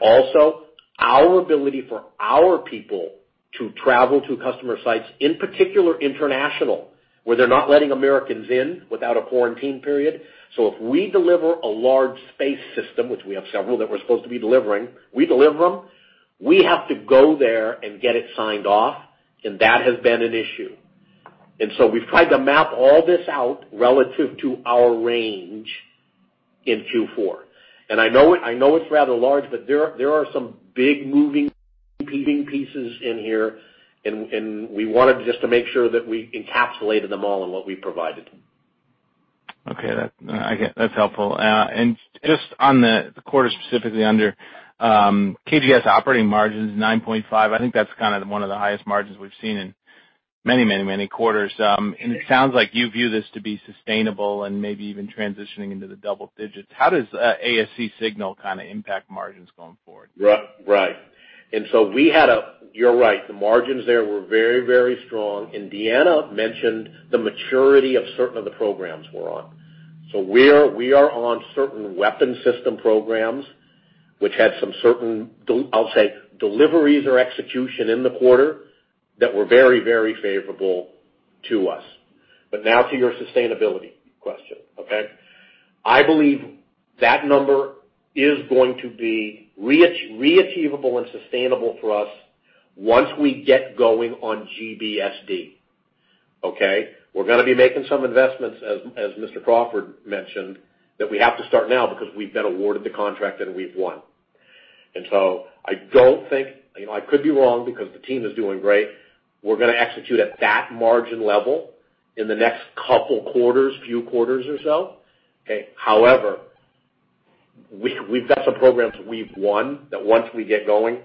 [SPEAKER 3] Also, our ability for our people to travel to customer sites, in particular international, where they're not letting Americans in without a quarantine period. If we deliver a large space system, which we have several that we're supposed to be delivering, we deliver them, we have to go there and get it signed off, and that has been an issue. We've tried to map all this out relative to our range in Q4. I know it's rather large, but there are some big moving pieces in here, and we wanted just to make sure that we encapsulated them all in what we provided.
[SPEAKER 7] Okay. That's helpful. On the quarter specifically under KGS operating margins, 9.5%, I think that's kind of one of the highest margins we've seen in many quarters. It sounds like you view this to be sustainable and maybe even transitioning into the double digits. How does ASC Signal kind of impact margins going forward?
[SPEAKER 3] Right. You're right. The margins there were very strong. Deanna mentioned the maturity of certain of the programs we're on. We are on certain weapon system programs which had some certain, I'll say, deliveries or execution in the quarter that were very favorable to us. Now to your sustainability question, okay? I believe that number is going to be re-achievable and sustainable for us once we get going on GBSD. Okay? We're going to be making some investments, as Mr. Crawford mentioned, that we have to start now because we've been awarded the contract and we've won. I don't think, I could be wrong because the team is doing great, we're going to execute at that margin level in the next couple of quarters, few quarters or so. Okay? We've got some programs we've won that once we get going,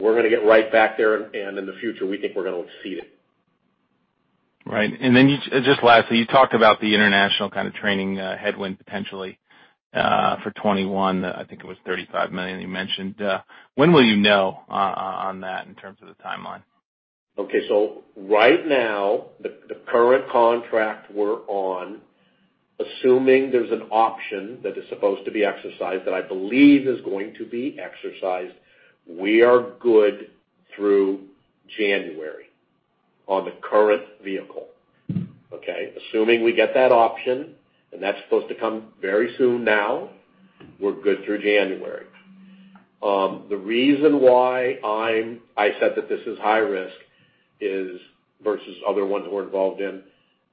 [SPEAKER 3] we're going to get right back there, and in the future, we think we're going to exceed it.
[SPEAKER 7] Right. Just lastly, you talked about the international kind of training headwind potentially, for 2021. I think it was $35 million you mentioned. When will you know on that in terms of the timeline?
[SPEAKER 3] Okay. Right now, the current contract we're on, assuming there's an option that is supposed to be exercised, that I believe is going to be exercised, we are good through January on the current vehicle. Okay. Assuming we get that option, and that's supposed to come very soon now, we're good through January. The reason why I said that this is high risk versus other ones we're involved in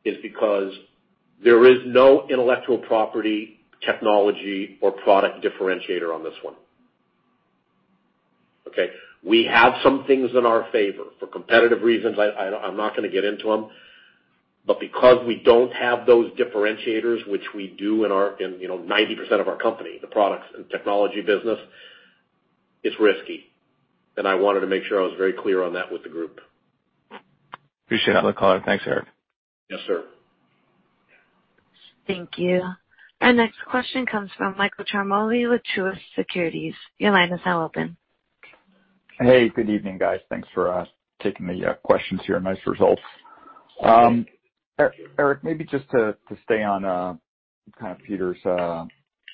[SPEAKER 3] is because there is no intellectual property, technology, or product differentiator on this one. Okay. We have some things in our favor. For competitive reasons, I'm not going to get into them. Because we don't have those differentiators, which we do in 90% of our company, the products and technology business, it's risky. I wanted to make sure I was very clear on that with the group.
[SPEAKER 7] Appreciate that clear call. Thanks, Eric.
[SPEAKER 3] Yes, sir.
[SPEAKER 1] Thank you. Our next question comes from Michael Ciarmoli with Truist Securities.
[SPEAKER 8] Hey, good evening, guys. Thanks for taking the questions here. Nice results. Eric, maybe just to stay on kind of Peter's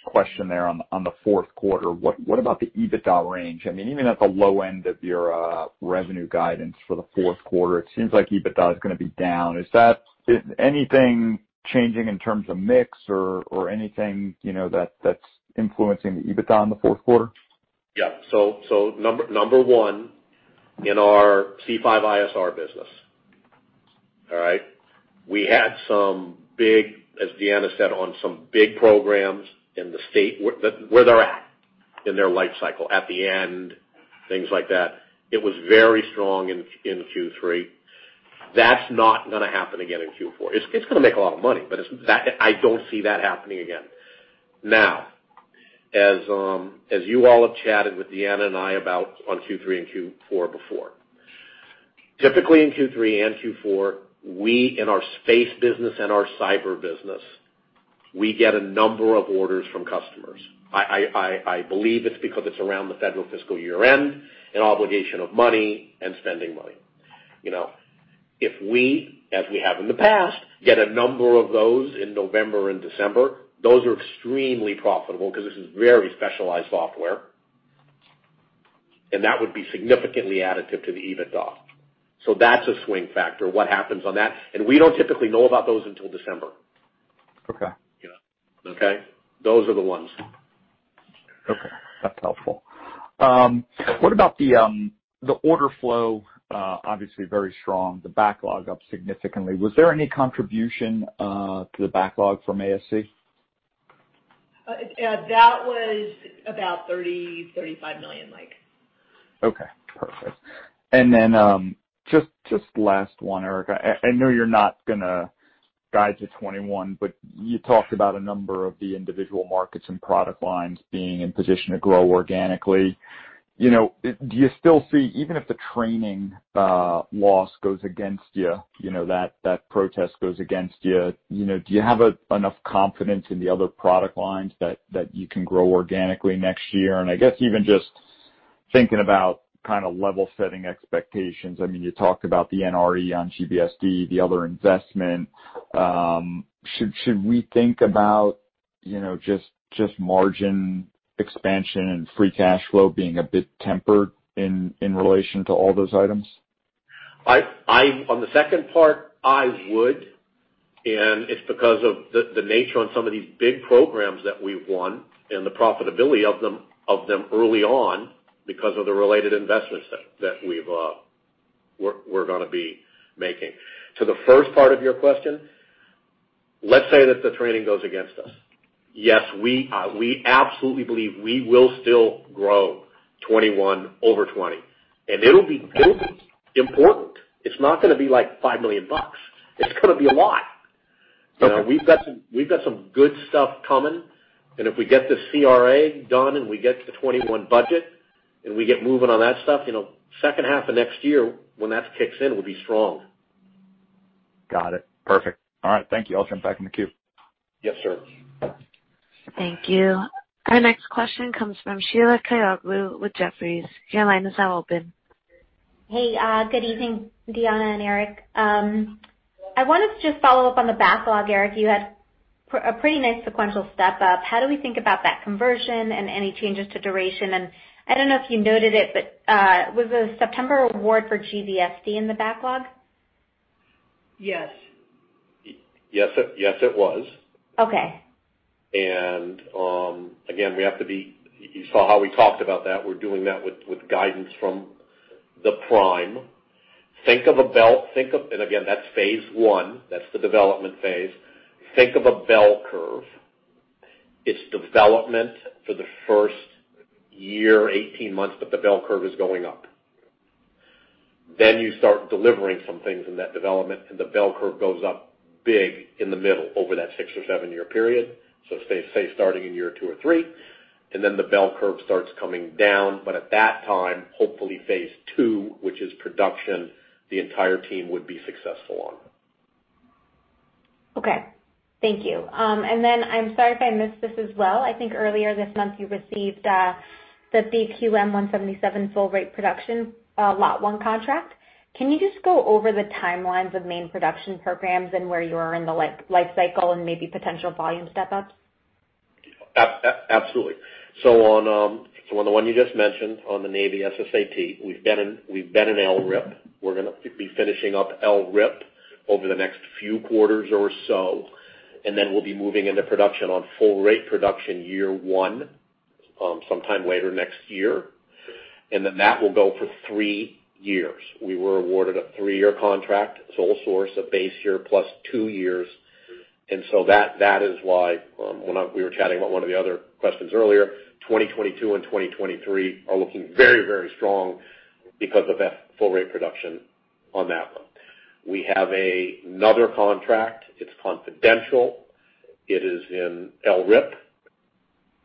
[SPEAKER 8] question there on the fourth quarter, what about the EBITDA range? I mean, even at the low end of your revenue guidance for the fourth quarter, it seems like EBITDA is going to be down. Is anything changing in terms of mix or anything that's influencing the EBITDA in the fourth quarter?
[SPEAKER 3] Number one, in our C5ISR business, all right? We had some big, as Deanna said, on some big programs in the state where they're at in their life cycle, at the end, things like that. It was very strong in Q3. That's not going to happen again in Q4. It's going to make a lot of money, but I don't see that happening again. As you all have chatted with Deanna and I about on Q3 and Q4 before. Typically in Q3 and Q4, we in our space business and our cyber business, we get a number of orders from customers. I believe it's because it's around the Federal fiscal year end, an obligation of money and spending money. If we, as we have in the past, get a number of those in November and December, those are extremely profitable because this is very specialized software. That would be significantly additive to the EBITDA. That's a swing factor, what happens on that. We don't typically know about those until December.
[SPEAKER 8] Okay.
[SPEAKER 3] Yeah. Okay? Those are the ones.
[SPEAKER 8] That's helpful. What about the order flow? Obviously very strong, the backlog up significantly. Was there any contribution to the backlog from ASC?
[SPEAKER 4] That was about $30 million-$35 million, Mike.
[SPEAKER 8] Okay, perfect. Just last one, Eric. I know you're not going to guide to 2021, you talked about a number of the individual markets and product lines being in position to grow organically. Do you still see, even if the training loss goes against you, that protest goes against you, do you have enough confidence in the other product lines that you can grow organically next year? I guess even just thinking about kind of level setting expectations. I mean, you talked about the NRE on GBSD, the other investment. Should we think about just margin expansion and free cash flow being a bit tempered in relation to all those items?
[SPEAKER 3] On the second part, I would. It's because of the nature on some of these big programs that we've won and the profitability of them early on because of the related investments that we're going to be making. To the first part of your question, let's say that the training goes against us. Yes, we absolutely believe we will still grow 2021 over 2020. It'll be important. It's not going to be like $5 million. It's going to be a lot.
[SPEAKER 8] Okay.
[SPEAKER 3] We've got some good stuff coming, and if we get this CRA done and we get the 2021 budget, and we get moving on that stuff, second half of next year when that kicks in, we'll be strong.
[SPEAKER 8] Got it. Perfect. All right. Thank you. I'll jump back in the queue.
[SPEAKER 3] Yes, sir.
[SPEAKER 1] Thank you. Our next question comes from Sheila Kahyaoglu with Jefferies. Your line is now open.
[SPEAKER 9] Hey, good evening, Deanna and Eric. I wanted to just follow up on the backlog. Eric, you had a pretty nice sequential step-up. How do we think about that conversion and any changes to duration? I don't know if you noted it, but was the September award for GBSD in the backlog?
[SPEAKER 4] Yes.
[SPEAKER 3] Yes, it was.
[SPEAKER 9] Okay.
[SPEAKER 3] Again, you saw how we talked about that. We're doing that with guidance from the prime. Think of a bell. Again, that's phase one. That's the development phase. Think of a bell curve. It's development for the first year, 18 months, but the bell curve is going up. You start delivering some things in that development, and the bell curve goes up big in the middle over that six or seven-year period. Say, starting in year two or three, and then the bell curve starts coming down. At that time, hopefully phase two, which is production, the entire team would be successful on.
[SPEAKER 9] Okay. Thank you. I'm sorry if I missed this as well. I think earlier this month you received the BQM-177 full-rate production lot 1 contract. Can you just go over the timelines of main production programs and where you are in the life cycle and maybe potential volume step-ups?
[SPEAKER 3] Absolutely. On the one you just mentioned, on the Navy SSAT, we've been in LRIP. We're going to be finishing up LRIP over the next few quarters or so, we'll be moving into production on full-rate production year one, sometime later next year. That will go for three years. We were awarded a three-year contract, sole source of base year plus two years. That is why, when we were chatting about one of the other questions earlier, 2022 and 2023 are looking very strong because of that full-rate production on that one. We have another contract. It's confidential. It is in LRIP.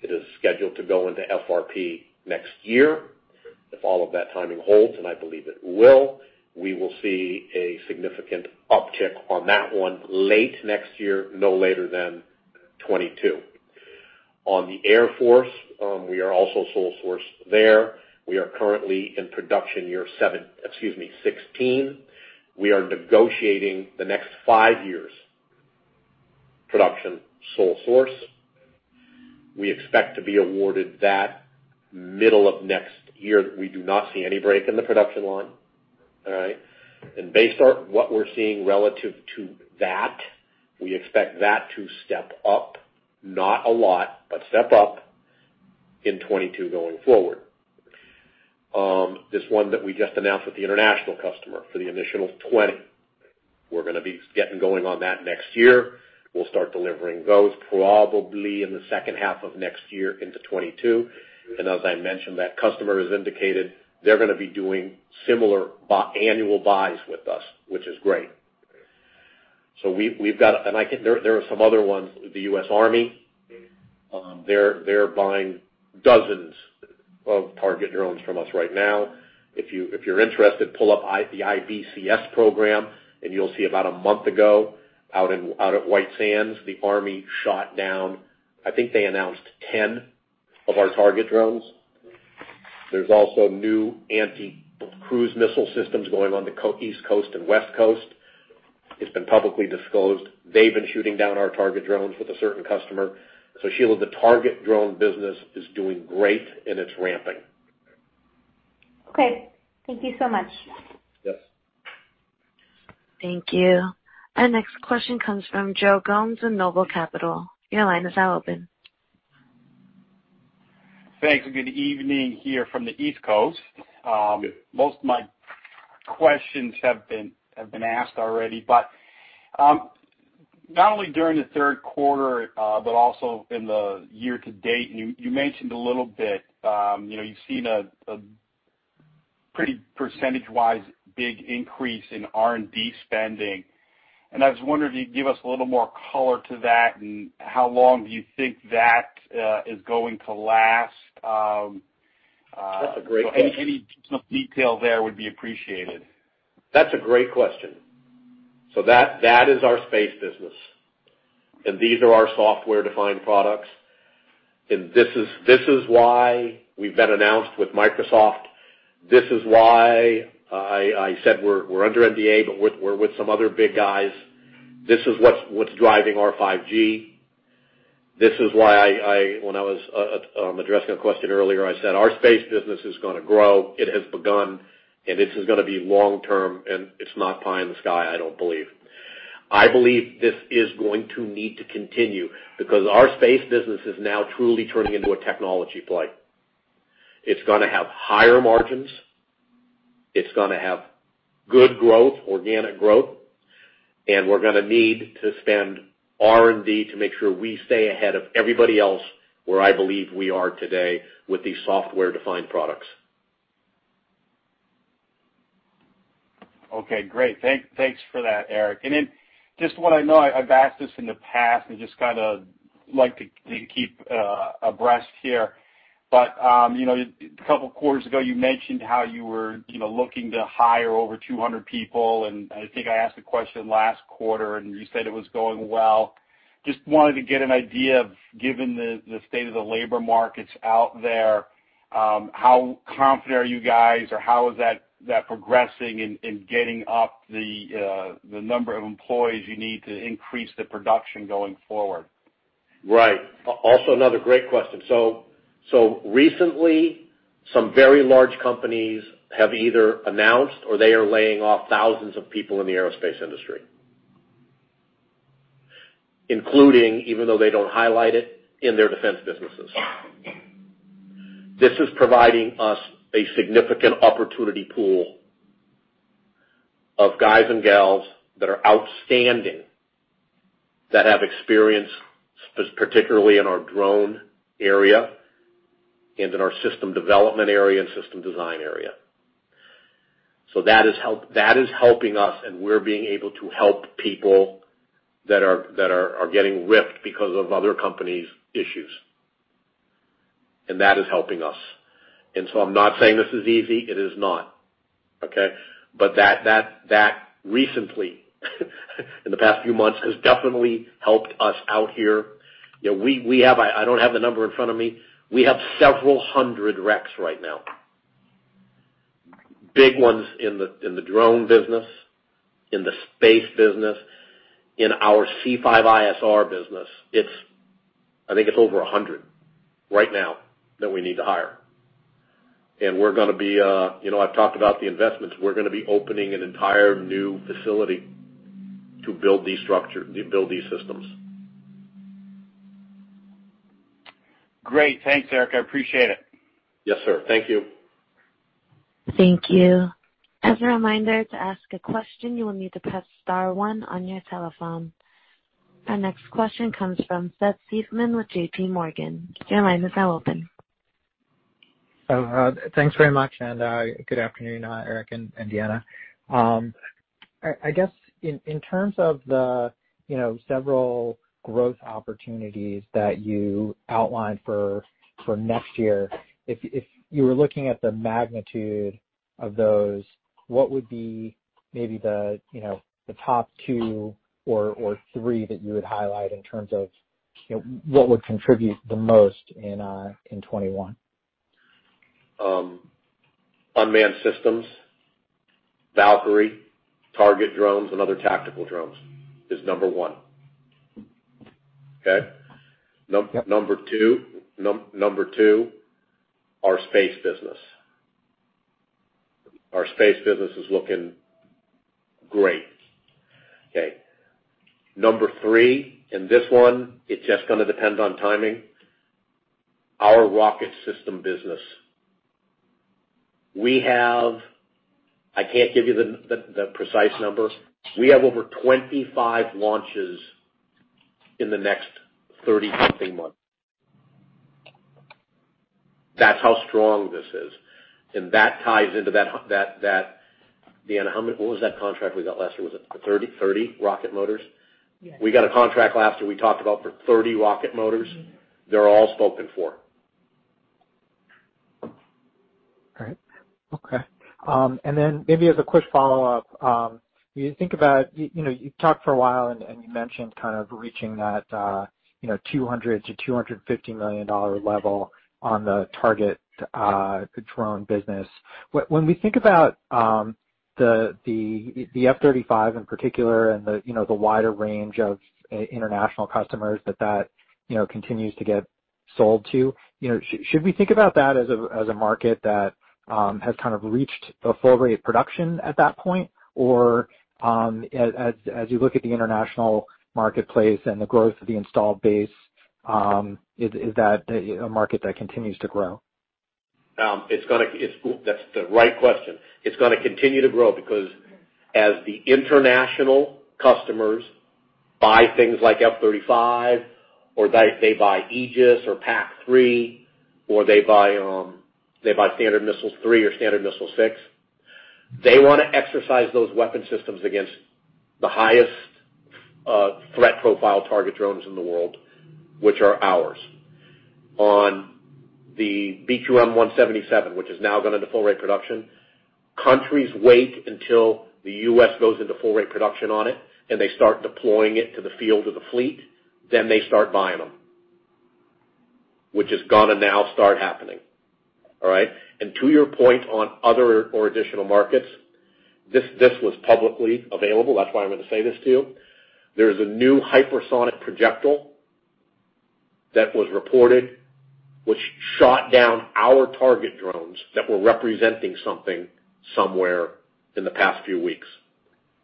[SPEAKER 3] It is scheduled to go into FRP next year. If all of that timing holds, and I believe it will, we will see a significant uptick on that one late next year, no later than 2022. On the Air Force, we are also sole source there. We are currently in production year 16. We are negotiating the next five years' production, sole source. We expect to be awarded that middle of next year. We do not see any break in the production line. All right? Based on what we're seeing relative to that, we expect that to step up, not a lot, but step up in 2022 going forward. This one that we just announced with the international customer for the initial 20, we're going to be getting going on that next year. We'll start delivering those probably in the second half of next year into 2022. As I mentioned, that customer has indicated they're going to be doing similar annual buys with us, which is great. There are some other ones, the US Army, they're buying dozens of target drones from us right now. If you're interested, pull up the IBCS program, and you'll see about a month ago, out at White Sands, the Army shot down, I think they announced 10 of our target drones. There's also new anti-cruise missile systems going on the East Coast and West Coast. It's been publicly disclosed. They've been shooting down our target drones with a certain customer. Sheila, the target drone business is doing great, and it's ramping.
[SPEAKER 9] Okay. Thank you so much.
[SPEAKER 3] Yes.
[SPEAKER 1] Thank you. Our next question comes from Joe Gomes of NOBLE Capital. Your line is now open.
[SPEAKER 10] Thanks. Good evening here from the East Coast.
[SPEAKER 3] Good evening.
[SPEAKER 10] Most of my questions have been asked already. Not only during the third quarter, but also in the year to date, you mentioned a little bit, you've seen a pretty percentage-wise big increase in R&D spending. I was wondering if you'd give us a little more color to that, and how long do you think that is going to last?
[SPEAKER 3] That's a great question.
[SPEAKER 10] Any detail there would be appreciated.
[SPEAKER 3] That's a great question. That is our space business, and these are our software-defined products. This is why we've been announced with Microsoft. This is why I said we're under NDA, but we're with some other big guys. This is what's driving our 5G. This is why, when I was addressing a question earlier, I said our space business is going to grow. It has begun, and this is going to be long-term, and it's not pie in the sky, I don't believe. I believe this is going to need to continue because our space business is now truly turning into a technology play. It's going to have higher margins. It's going to have good growth, organic growth, and we're going to need to spend R&D to make sure we stay ahead of everybody else, where I believe we are today with these software-defined products.
[SPEAKER 10] Okay, great. Thanks for that, Eric. Just what I know, I've asked this in the past and just kind of like to keep abreast here. A couple of quarters ago, you mentioned how you were looking to hire over 200 people, and I think I asked the question last quarter, and you said it was going well. Just wanted to get an idea of, given the state of the labor markets out there, how confident are you guys, or how is that progressing in getting up the number of employees you need to increase the production going forward?
[SPEAKER 3] Right. Also another great question. Recently, some very large companies have either announced or they are laying off thousands of people in the aerospace industry. Including, even though they don't highlight it, in their defense businesses. This is providing us a significant opportunity pool of guys and gals that are outstanding, that have experience, particularly in our drone area, and in our system development area and system design area. That is helping us, and we're being able to help people that are getting ripped because of other companies' issues. That is helping us. I'm not saying this is easy. It is not, okay? That recently, in the past few months, has definitely helped us out here. I don't have the number in front of me. We have several hundred reqs right now. Big ones in the drone business, in the space business, in our C5ISR business. I think it's over 100 right now that we need to hire. I've talked about the investments. We're gonna be opening an entire new facility to build these systems.
[SPEAKER 10] Great. Thanks, Eric. I appreciate it.
[SPEAKER 3] Yes, sir. Thank you.
[SPEAKER 1] Thank you. As a reminder, to ask a question, you will need to press star one on your telephone. Our next question comes from Seth Seifman with JPMorgan. Your line is now open.
[SPEAKER 11] Thanks very much, and good afternoon, Eric and Deanna. I guess in terms of the several growth opportunities that you outlined for next year, if you were looking at the magnitude of those, what would be maybe the top two or three that you would highlight in terms of what would contribute the most in 2021?
[SPEAKER 3] Unmanned systems, Valkyrie, target drones, and other tactical drones is number 1. Okay. Number 2, our space business. Our space business is looking great. Okay. Number 3, this one, it's just going to depend on timing. Our rocket system business. I can't give you the precise numbers. We have over 25 launches in the next 30-something months. That's how strong this is. That ties into that, Deanna, what was that contract we got last year? Was it for 30 rocket motors?
[SPEAKER 4] Yes.
[SPEAKER 3] We got a contract last year we talked about for 30 rocket motors. They're all spoken for.
[SPEAKER 11] All right. Okay. Maybe as a quick follow-up, you talked for a while, and you mentioned kind of reaching that $200 to $250 million level on the target drone business. When we think about the F-35 in particular and the wider range of international customers that continues to get sold to, should we think about that as a market that has kind of reached a full rate of production at that point? As you look at the international marketplace and the growth of the installed base, is that a market that continues to grow?
[SPEAKER 3] That's the right question. It's gonna continue to grow because as the international customers buy things like F-35, or they buy Aegis or PAC-3, or they buy Standard Missile-3 or Standard Missile-6, they wanna exercise those weapon systems against the highest threat profile target drones in the world, which are ours. On the BQM-177, which has now gone into Full Rate Production, countries wait until the U.S. goes into Full Rate Production on it, and they start deploying it to the field or the fleet, then they start buying them, which is gonna now start happening. All right. To your point on other or additional markets, this was publicly available. That's why I'm gonna say this to you. There's a new hypersonic projectile that was reported, which shot down our target drones that were representing something, somewhere, in the past few week.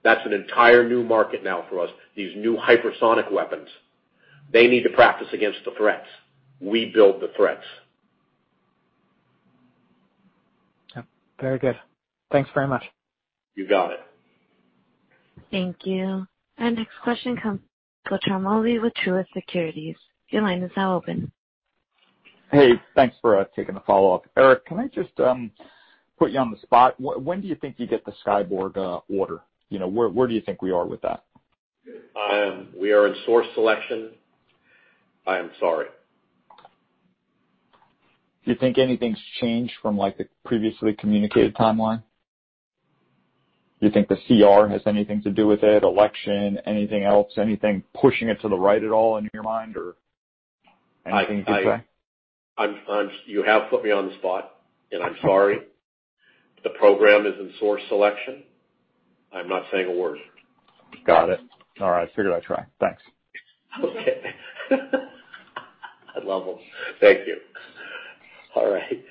[SPEAKER 3] That's an entire new market now for us. These new hypersonic weapons, they need to practice against the threats. We build the threats.
[SPEAKER 11] Yep. Very good. Thanks very much.
[SPEAKER 3] You got it.
[SPEAKER 1] Thank you. Our next question comes from with Truist Securities. Your line is now open.
[SPEAKER 8] Hey, thanks for taking the follow-up. Eric, can I just put you on the spot? When do you think you get the Skyborg order? Where do you think we are with that?
[SPEAKER 3] We are in source selection. I am sorry.
[SPEAKER 8] Do you think anything's changed from, the previously communicated timeline? Do you think the CR has anything to do with it? Election? Anything else? Anything pushing it to the right at all in your mind, or anything to say?
[SPEAKER 3] You have put me on the spot, and I'm sorry. The program is in source selection. I'm not saying a word.
[SPEAKER 8] Got it. All right. Figured I'd try. Thanks.
[SPEAKER 3] Okay. I love them. Thank you. All right.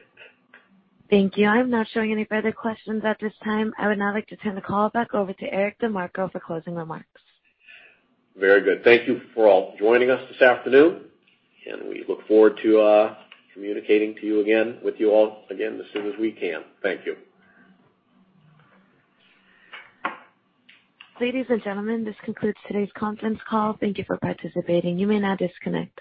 [SPEAKER 1] Thank you. I am not showing any further questions at this time. I would now like to turn the call back over to Eric DeMarco for closing remarks.
[SPEAKER 3] Very good. Thank you for all joining us this afternoon, and we look forward to communicating to you again, with you all again as soon as we can. Thank you.
[SPEAKER 1] Ladies and gentlemen, this concludes today's conference call. Thank you for participating. You may now disconnect.